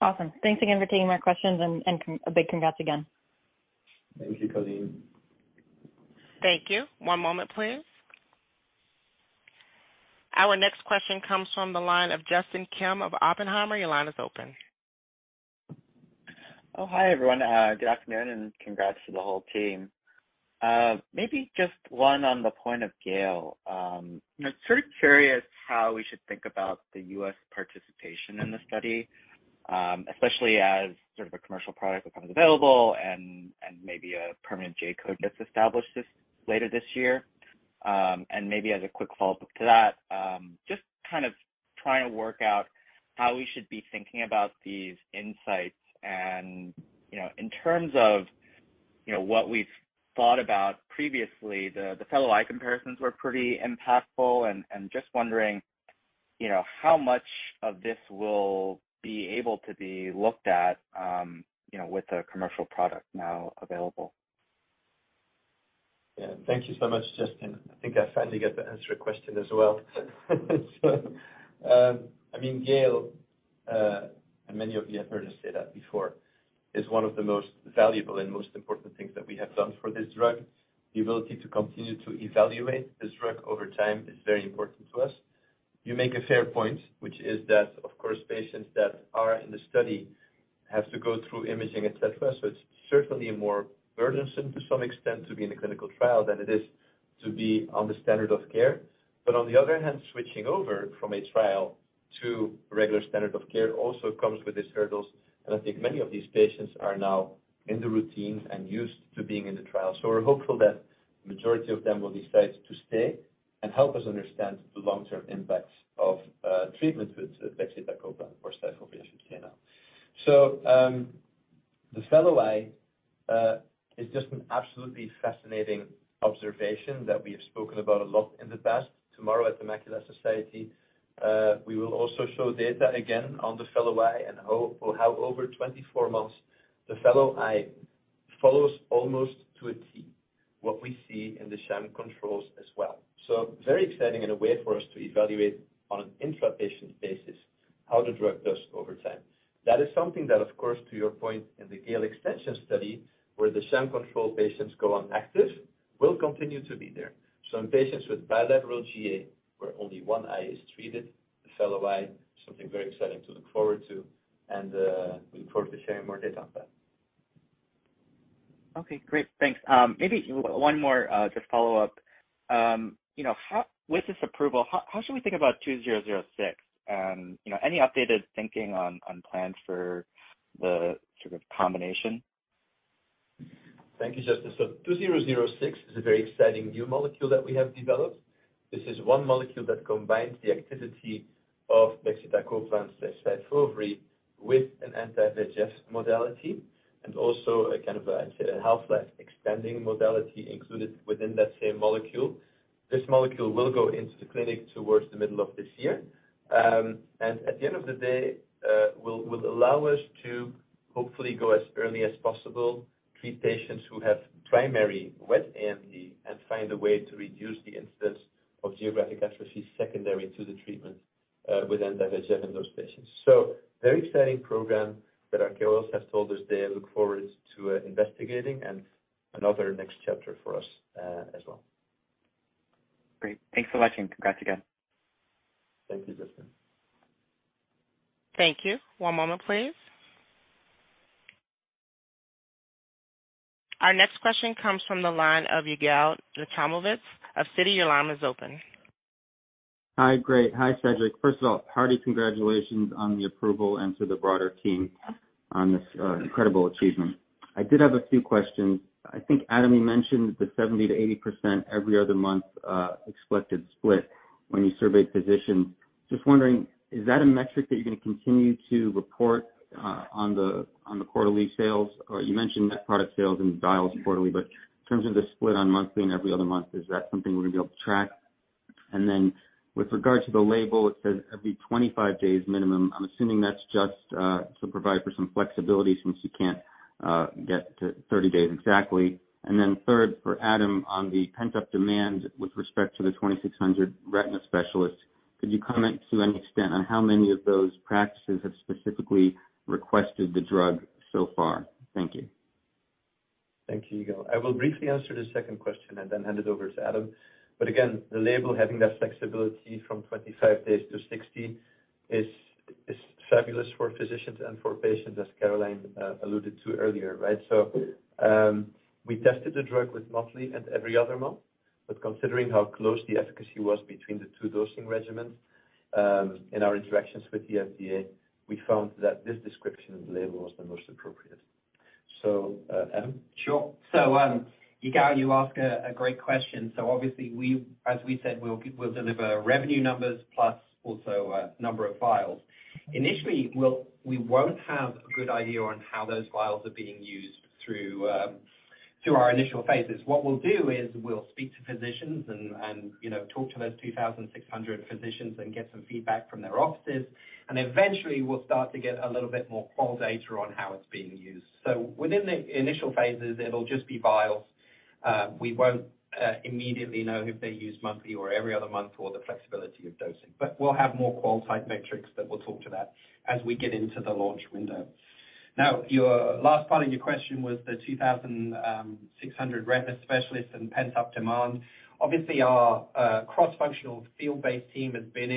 Awesome. Thanks again for taking my questions, and a big congrats again. Thank you, Colleen. Thank you. One moment, please. Our next question comes from the line of Justin Kim of Oppenheimer. Your line is open. Hi, everyone. Good afternoon, and congrats to the whole team. Maybe just one on the point of GAIL. I'm sort of curious how we should think about the US participation in the study, especially as sort of a commercial product becomes available and maybe a permanent J-code gets established later this year. Maybe as a quick follow-up to that, just kind of trying to work out how we should be thinking about these insights and, you know, in terms of, you know, what we've thought about previously, the fellow eye comparisons were pretty impactful and just wondering, you know, how much of this will be able to be looked at with the commercial product now available. Yeah. Thank you so much, Justin. I think I finally get to answer a question as well. I mean, GAIL, and many of you have heard us say that before, is one of the most valuable and most important things that we have done for this drug. The ability to continue to evaluate this drug over time is very important to us. You make a fair point, which is that, of course, patients that are in the study have to go through imaging, et cetera. It's certainly more burdensome to some extent to be in a clinical trial than it is to be on the standard of care. On the other hand, switching over from a trial to regular standard of care also comes with its hurdles, and I think many of these patients are now in the routines and used to being in the trial. We're hopeful that majority of them will decide to stay and help us understand the long-term impacts of treatment with pegcetacoplan for C3 glomerulopathy now. The fellow eye is just an absolutely fascinating observation that we have spoken about a lot in the past. Tomorrow at The Macula Society, we will also show data again on the fellow eye and hope for how over 24 months the fellow eye follows almost to a T what we see in the sham controls as well. Very exciting and a way for us to evaluate on an intra-patient basis how the drug does over time. That is something that, of course, to your point in the GAIL extension study, where the sham control patients go on active, will continue to be there. Some patients with bilateral GA, where only one eye is treated, the fellow eye, something very exciting to look forward to and we look forward to sharing more data on that. Okay, great. Thanks. Maybe one more, just follow-up. You know, with this approval, how should we think about 2006 and, you know, any updated thinking on plans for the sort of combination? Thank you, Justin. 2006 is a very exciting new molecule that we have developed. This is one molecule that combines the activity of pegcetacoplan slash Syfovre with an anti-VEGF modality and also a kind of a, I'd say, a half-life extending modality included within that same molecule. This molecule will go into the clinic towards the middle of this year. At the end of the day, will allow us to hopefully go as early as possible, treat patients who have primary wet AMD and find a way to reduce the incidence of geographic atrophy secondary to the treatment with anti-VEGF in those patients. Very exciting program that Apellis has told us they look forward to investigating and another next chapter for us as well. Great. Thanks for letting congrats again. Thank you, Justin. Thank you. One moment please. Our next question comes from the line of Yigal Nochomovitz of Citi. Your line is open. Hi. Great. Hi, Cedric. First of all, hearty congratulations on the approval and to the broader team on this incredible achievement. I did have a few questions. I think Adam mentioned the 70% to 80% every other month expected split when you surveyed physicians. Just wondering, is that a metric that you're gonna continue to report on the quarterly sales? You mentioned net product sales and dials quarterly, but in terms of the split on monthly and every other month, is that something we're gonna be able to track? With regard to the label, it says every 25 days minimum. I'm assuming that's just to provide for some flexibility since you can't get to 30 days exactly. Third, for Adam, on the pent-up demand with respect to the 2,600 retina specialists, could you comment to any extent on how many of those practices have specifically requested the drug so far? Thank you. Thank you, Yigal. I will briefly answer the second question and then hand it over to Adam. Again, the label having that flexibility from 25 days to 60 is fabulous for physicians and for patients, as Caroline alluded to earlier, right? We tested the drug with monthly and every other month, but considering how close the efficacy was between the two dosing regimens, in our interactions with the FDA, we found that this description of the label was the most appropriate. Adam? Sure. Yigal, you ask a great question. Obviously we, as we said, we'll deliver revenue numbers plus a number of files. Initially, we won't have a good idea on how those files are being used through. To our initial phases. What we'll do is we'll speak to physicians and, you know, talk to those 2,600 physicians and get some feedback from their offices. Eventually, we'll start to get a little bit more qual data on how it's being used. Within the initial phases, it'll just be vials. We won't immediately know if they use monthly or every other month or the flexibility of dosing. We'll have more qual type metrics that will talk to that as we get into the launch window. Your last part of your question was the 2,600 retina specialists and the pent-up demand. Obviously, our cross-functional field-based team has been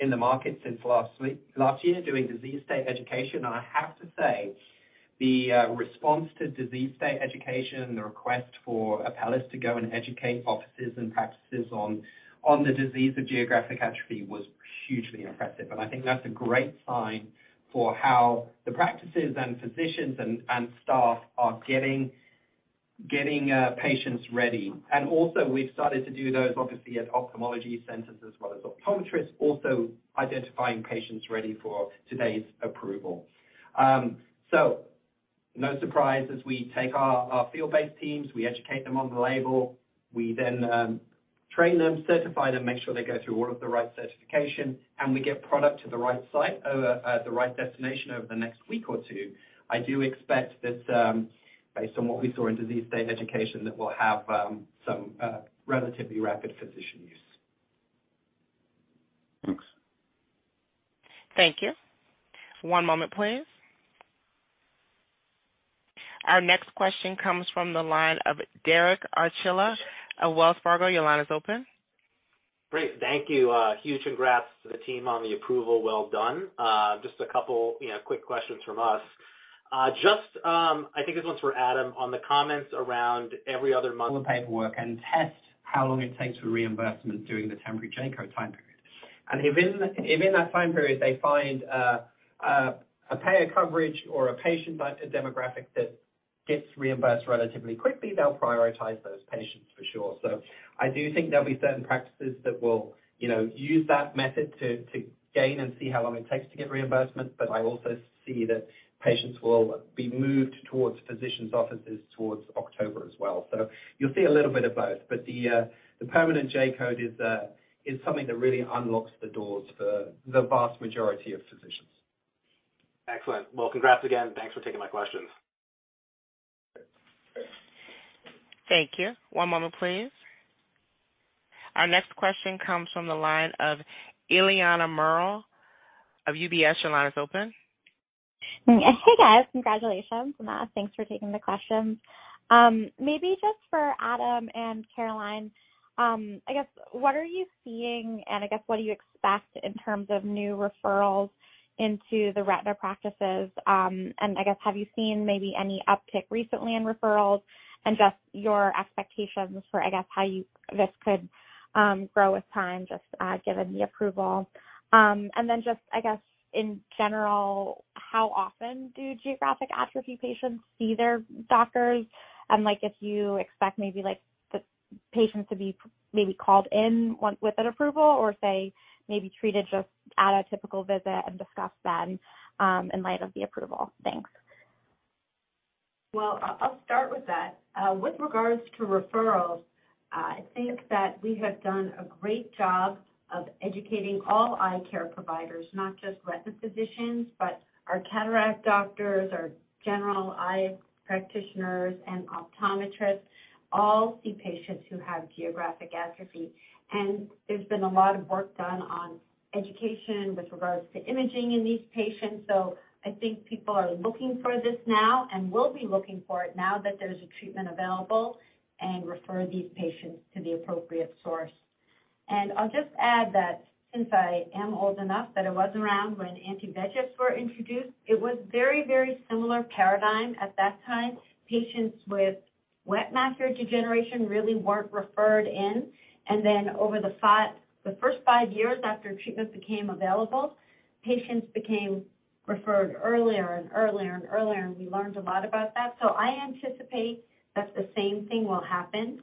in the market since last year doing disease state education. I have to say, the response to disease state education, the request for Apellis to go and educate offices and practices on the disease of geographic atrophy was hugely impressive. I think that's a great sign for how the practices and physicians and staff are getting patients ready. Also we've started to do those obviously at ophthalmology centers as well as optometrists, also identifying patients ready for today's approval. No surprise as we take our field-based teams, we educate them on the label. We then train them, certify them, make sure they go through all of the right certification, and we get product to the right site over the right destination over the next week or two. I do expect that, based on what we saw in disease state education, that we'll have some relatively rapid physician use. Thanks. Thank you. One moment, please. Our next question comes from the line of Derek Archila at Wells Fargo. Your line is open. Great. Thank you. Huge congrats to the team on the approval. Well done. Just a couple, you know, quick questions from us. Just, I think this one's for Adam, on the comments around every other month. The paperwork and test how long it takes for reimbursement during the temporary J-code time period. If in that time period they find a payer coverage or a patient demographic that gets reimbursed relatively quickly, they'll prioritize those patients for sure. I do think there'll be certain practices that will, you know, use that method to gain and see how long it takes to get reimbursement. I also see that patients will be moved towards physicians' offices towards October as well. You'll see a little bit of both. The permanent J-code is something that really unlocks the doors for the vast majority of physicians. Excellent. Well, congrats again. Thanks for taking my questions. Thank you. One moment, please. Our next question comes from the line of Eliana Merrill of UBS. Your line is open. Hey, guys. Congratulations. Thanks for taking the questions. Maybe just for Adam and Caroline, I guess, what are you seeing and I guess what do you expect in terms of new referrals into the retina practices? I guess, have you seen maybe any uptick recently in referrals and just your expectations for, I guess, this could grow with time just given the approval? Just, I guess, in general, how often do geographic atrophy patients see their doctors? Like, if you expect maybe like the patients to be called in with an approval or if they may be treated just at a typical visit and discussed then, in light of the approval. Thanks. I'll start with that. With regards to referrals, I think that we have done a great job of educating all eye care providers, not just retina physicians, but our cataract doctors, our general eye practitioners and optometrists all see patients who have geographic atrophy. There's been a lot of work done on education with regards to imaging in these patients. I think people are looking for this now and will be looking for it now that there's a treatment available and refer these patients to the appropriate source. I'll just add that since I am old enough that I was around when anti-VEGFs were introduced, it was very, very similar paradigm at that time. Patients with wet macular degeneration really weren't referred in. Over the first 5 years after treatment became available, patients became referred earlier and earlier, and we learned a lot about that. I anticipate that the same thing will happen,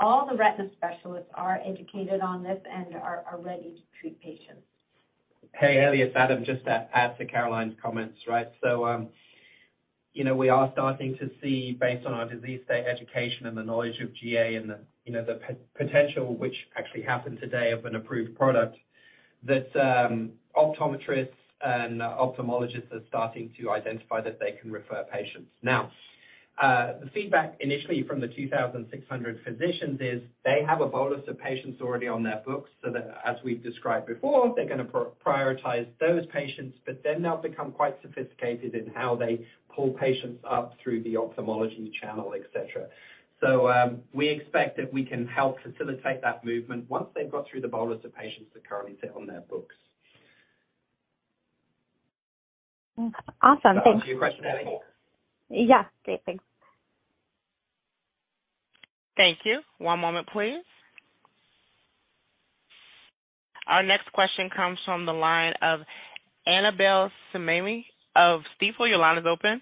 all the retina specialists are educated on this and are ready to treat patients. Hey, Eliana. It's Adam. Just to add to Caroline's comments, right? You know, we are starting to see based on our disease state education and the knowledge of GA and the, you know, the potential which actually happened today of an approved product, that optometrists and ophthalmologists are starting to identify that they can refer patients. The feedback initially from the 2,600 physicians is they have a bolus of patients already on their books so that as we've described before, they're going to prioritize those patients, but then they'll become quite sophisticated in how they pull patients up through the ophthalmology channel, et cetera. We expect that we can help facilitate that movement once they've got through the bolus of patients that currently sit on their books. Awesome. Thanks. Does that answer your question, Eliana? Yeah. Great. Thanks. Thank you. One moment, please. Our next question comes from the line of Annabel Samimy of Stifel. Your line is open.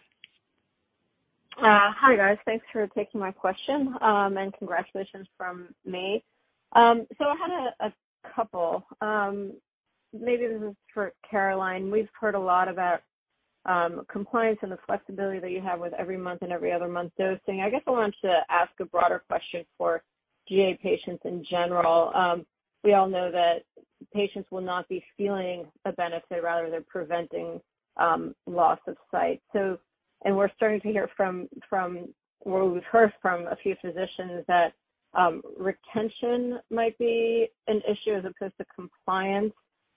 Hi, guys. Thanks for taking my question. Congratulations from me. I had a couple. Maybe this is for Caroline. We've heard a lot about compliance and the flexibility that you have with every month and every other month dosing. I guess I wanted to ask a broader question for GA patients in general. We all know that patients will not be feeling a benefit, rather they're preventing loss of sight. We're starting to hear from where we've heard from a few physicians that retention might be an issue as opposed to compliance,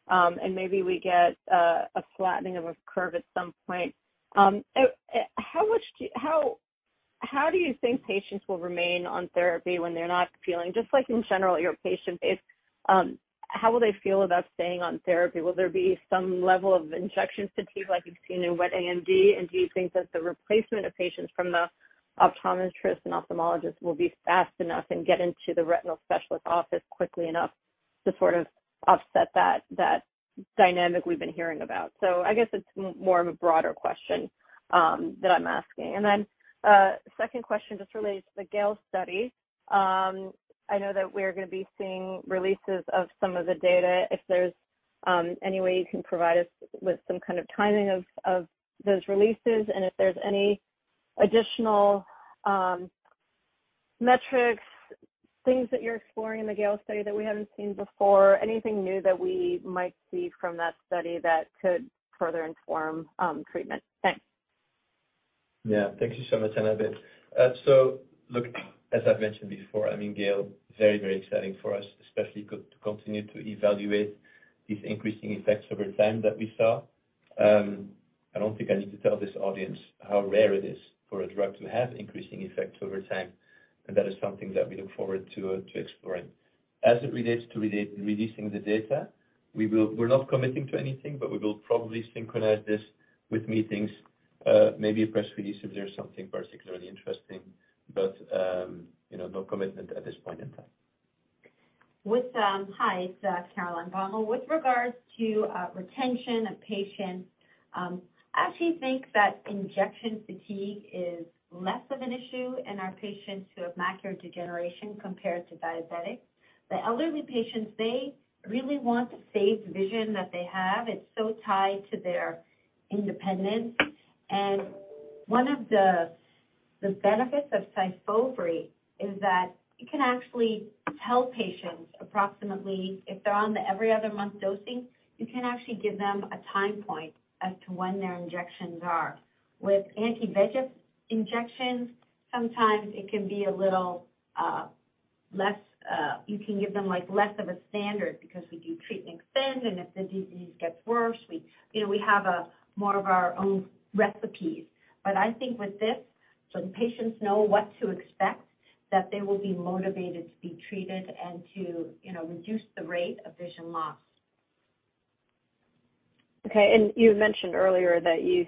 and maybe we get a flattening of a curve at some point. How do you think patients will remain on therapy when they're not feeling, just like in general, your patient base, how will they feel about staying on therapy? Will there be some level of injection fatigue like we've seen in wet AMD? Do you think that the replacement of patients from the optometrists and ophthalmologists will be fast enough and get into the retinal specialist office quickly enough to sort of offset that dynamic we've been hearing about? I guess it's more of a broader question that I'm asking. Second question just relates to the GAIL study. I know that we're gonna be seeing releases of some of the data, if there's any way you can provide us with some kind of timing of those releases, and if there's any additional metrics, things that you're exploring in the GAIL study that we haven't seen before, anything new that we might see from that study that could further inform treatment? Thanks. Thank you so much, Annabella. Look, as I've mentioned before, I mean, GAIL, very, very exciting for us, especially to continue to evaluate these increasing effects over time that we saw. I don't think I need to tell this audience how rare it is for a drug to have increasing effects over time, and that is something that we look forward to exploring. As it relates to releasing the data, we're not committing to anything, but we will probably synchronize this with meetings, maybe a press release if there's something particularly interesting, but, you know, no commitment at this point in time. Hi, it's Caroline Baumal. Regards to retention of patients, I actually think that injection fatigue is less of an issue in our patients who have macular degeneration compared to diabetics. The elderly patients, they really want the saved vision that they have. It's so tied to their independence. One of the benefits of Syfovre is that you can actually tell patients approximately if they're on the every other month dosing, you can actually give them a time point as to when their injections are. Anti-VEGF injections, sometimes it can be a little less, you can give them like, less of a standard because we do treatment extend, and if the disease gets worse, we, you know, we have a more of our own recipes. I think with this, so the patients know what to expect, that they will be motivated to be treated and to, you know, reduce the rate of vision loss. Okay. You mentioned earlier that you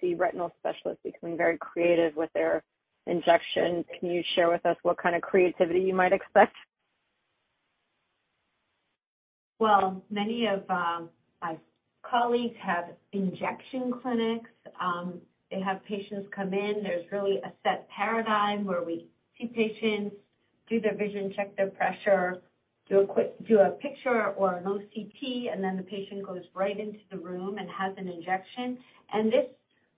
see retinal specialists becoming very creative with their injections. Can you share with us what kind of creativity you might expect? Well, many of my colleagues have injection clinics. They have patients come in. There's really a set paradigm where we see patients, do their vision, check their pressure, do a quick picture or an OCT, and then the patient goes right into the room and has an injection. This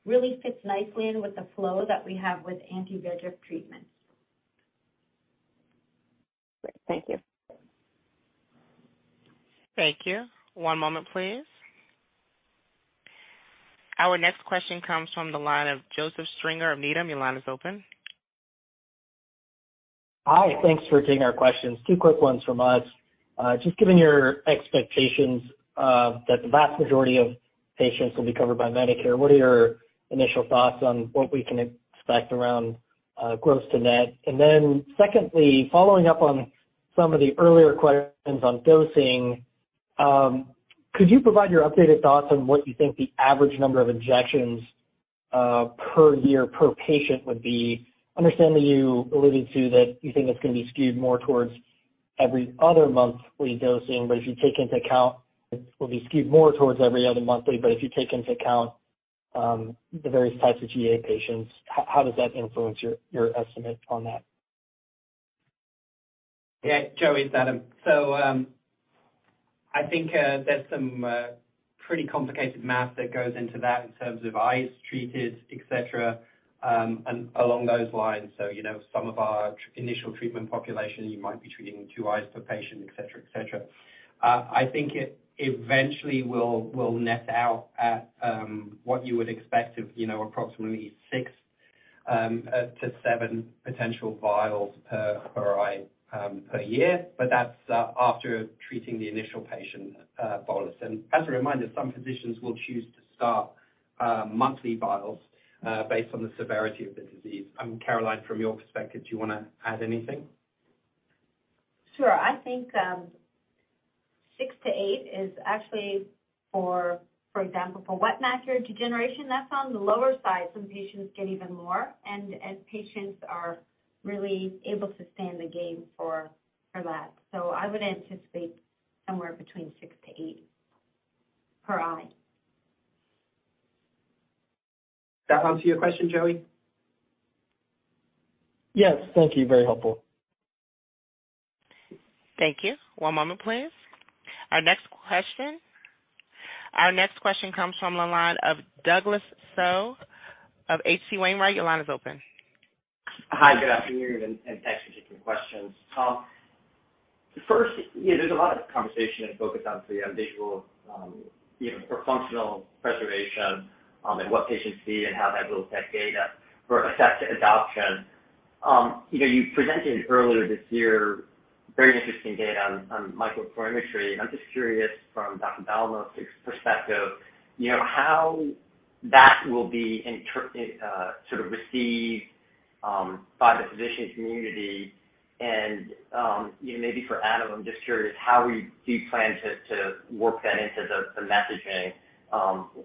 really fits nicely in with the flow that we have with anti-VEGF treatments. Great. Thank you. Thank you. One moment, please. Our next question comes from the line of Joseph Stringer of Needham. Your line is open. Hi. Thanks for taking our questions. 2 quick ones from us. Just given your expectations that the vast majority of patients will be covered by Medicare, what are your initial thoughts on what we can expect around gross to net? Secondly, following up on some of the earlier questions on dosing, could you provide your updated thoughts on what you think the average number of injections per year per patient would be? Understanding you alluded to that you think it's gonna be skewed more towards every other monthly dosing. If you take into account the various types of GA patients, how does that influence your estimate on that? Yeah, Joseph, it's Adam. I think there's some pretty complicated math that goes into that in terms of eyes treated, et cetera, and along those lines. You know, some of our initial treatment population, you might be treating 2 eyes per patient, et cetera, et cetera. I think it eventually will net out at what you would expect of, you know, approximately 6-7 potential vials per eye per year. That's after treating the initial patient bolus. As a reminder, some physicians will choose to start monthly vials based on the severity of the disease. Caroline, from your perspective, do you wanna add anything? Sure. I think, 6 to 8 is actually for example, for wet macular degeneration, that's on the lower side. Some patients get even more and patients are really able to stand the gain for that. I would anticipate somewhere between 6 and 8 per eye. Does that answer your question, Joseph? Yes, thank you. Very helpful. Thank you. One moment, please. Our next question comes from the line of Douglas Tsao of H.C. Wainwright & Co. Your line is open. Hi, good afternoon, and thanks for taking the questions. First, you know, there's a lot of conversation and focus on the visual, you know, for functional preservation, and what patients see and how that will affect adoption. You know, you presented earlier this year very interesting data on microperimetry. I'm just curious from Dr. Baumal's perspective, you know, how that will be sort of received by the physician community. You know, maybe for Adam, I'm just curious how we do plan to work that into the messaging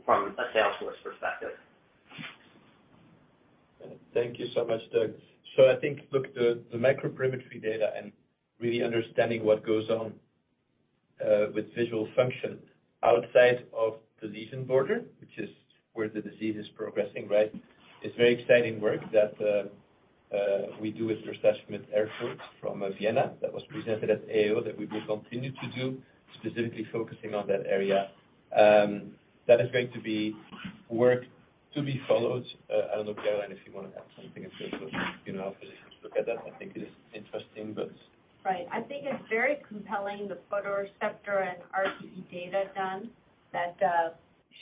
from a sales force perspective. Thank you so much, Douglas. I think, look, the microperimetry data and really understanding what goes on with visual function outside of the lesion border, which is where the disease is progressing, right? It's very exciting work that we do with Sebastian Ernst from Vienna. That was presented at AAO that we will continue to do, specifically focusing on that area. That is going to be work to be followed. I don't know, Caroline, if you wanna add something in terms of, you know, how physicians look at that. I think it is interesting, but... Right. I think it's very compelling, the photoreceptor and RPE data done that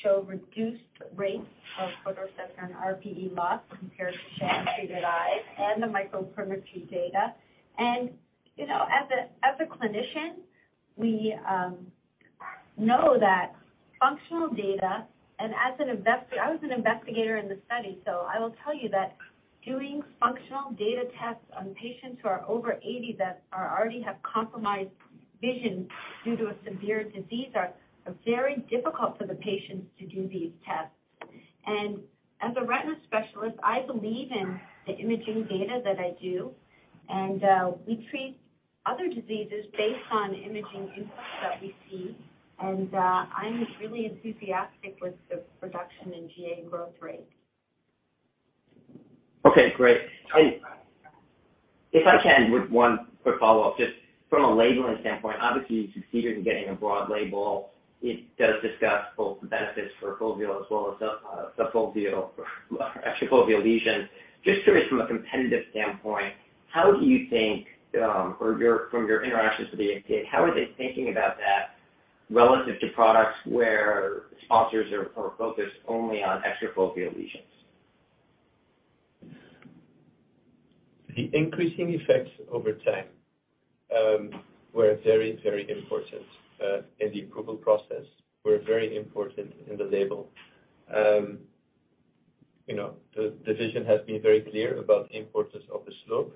show reduced rates of photoreceptor and RPE loss compared to sham-treated eyes and the microperimetry data. You know, as a, as a clinician, we know that functional data and as an investigator, I was an investigator in the study, so I will tell you that doing functional data tests on patients who are over 80 that are already have compromised vision due to a severe disease are very difficult for the patients to do these tests. As a retina specialist, I believe in the imaging data that I do. We treat other diseases based on imaging inputs that we see. I'm really enthusiastic with the reduction in GA growth rate. Okay, great. If I can, one quick follow-up. From a labeling standpoint, obviously you succeeded in getting a broad label. It does discuss both the benefits for foveal as well as subfoveal or extrafoveal lesions. Curious from a competitive standpoint, how do you think, or your, from your interactions with the FDA, how are they thinking about that relative to products where sponsors are focused only on extrafoveal lesions? The increasing effects over time, were very important in the approval process. Very important in the label. You know, the division has been very clear about the importance of the slope.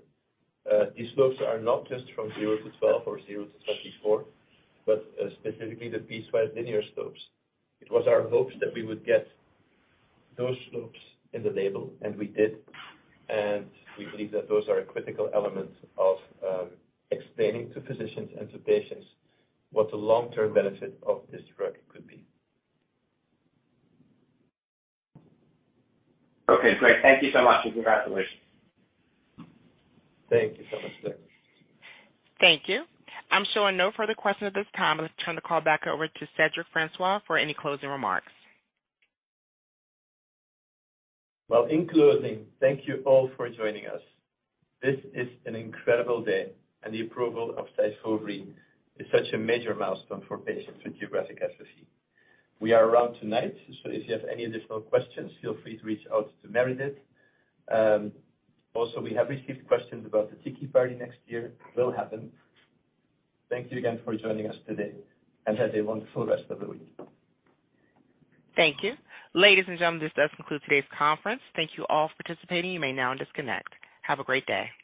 These slopes are not just from 0 to 12 or 0 to 24, but specifically the piecewise linear slopes. It was our hopes that we would get those slopes in the label, and we did. We believe that those are critical elements of, explaining to physicians and to patients what the long-term benefit of this drug could be. Okay, great. Thank you so much, and congratulations. Thank you so much, Douglas. Thank you. I'm showing no further questions at this time. Let's turn the call back over to Cedric Francois for any closing remarks. Well, in closing, thank you all for joining us. This is an incredible day. The approval of Syfovre is such a major milestone for patients with geographic atrophy. We are around tonight. If you have any additional questions, feel free to reach out to Meredith. We have received questions about the tiki party next year, will happen. Thank you again for joining us today. Have a wonderful rest of the week. Thank you. Ladies and gentlemen, this does conclude today's conference. Thank you all for participating. You may now disconnect. Have a great day.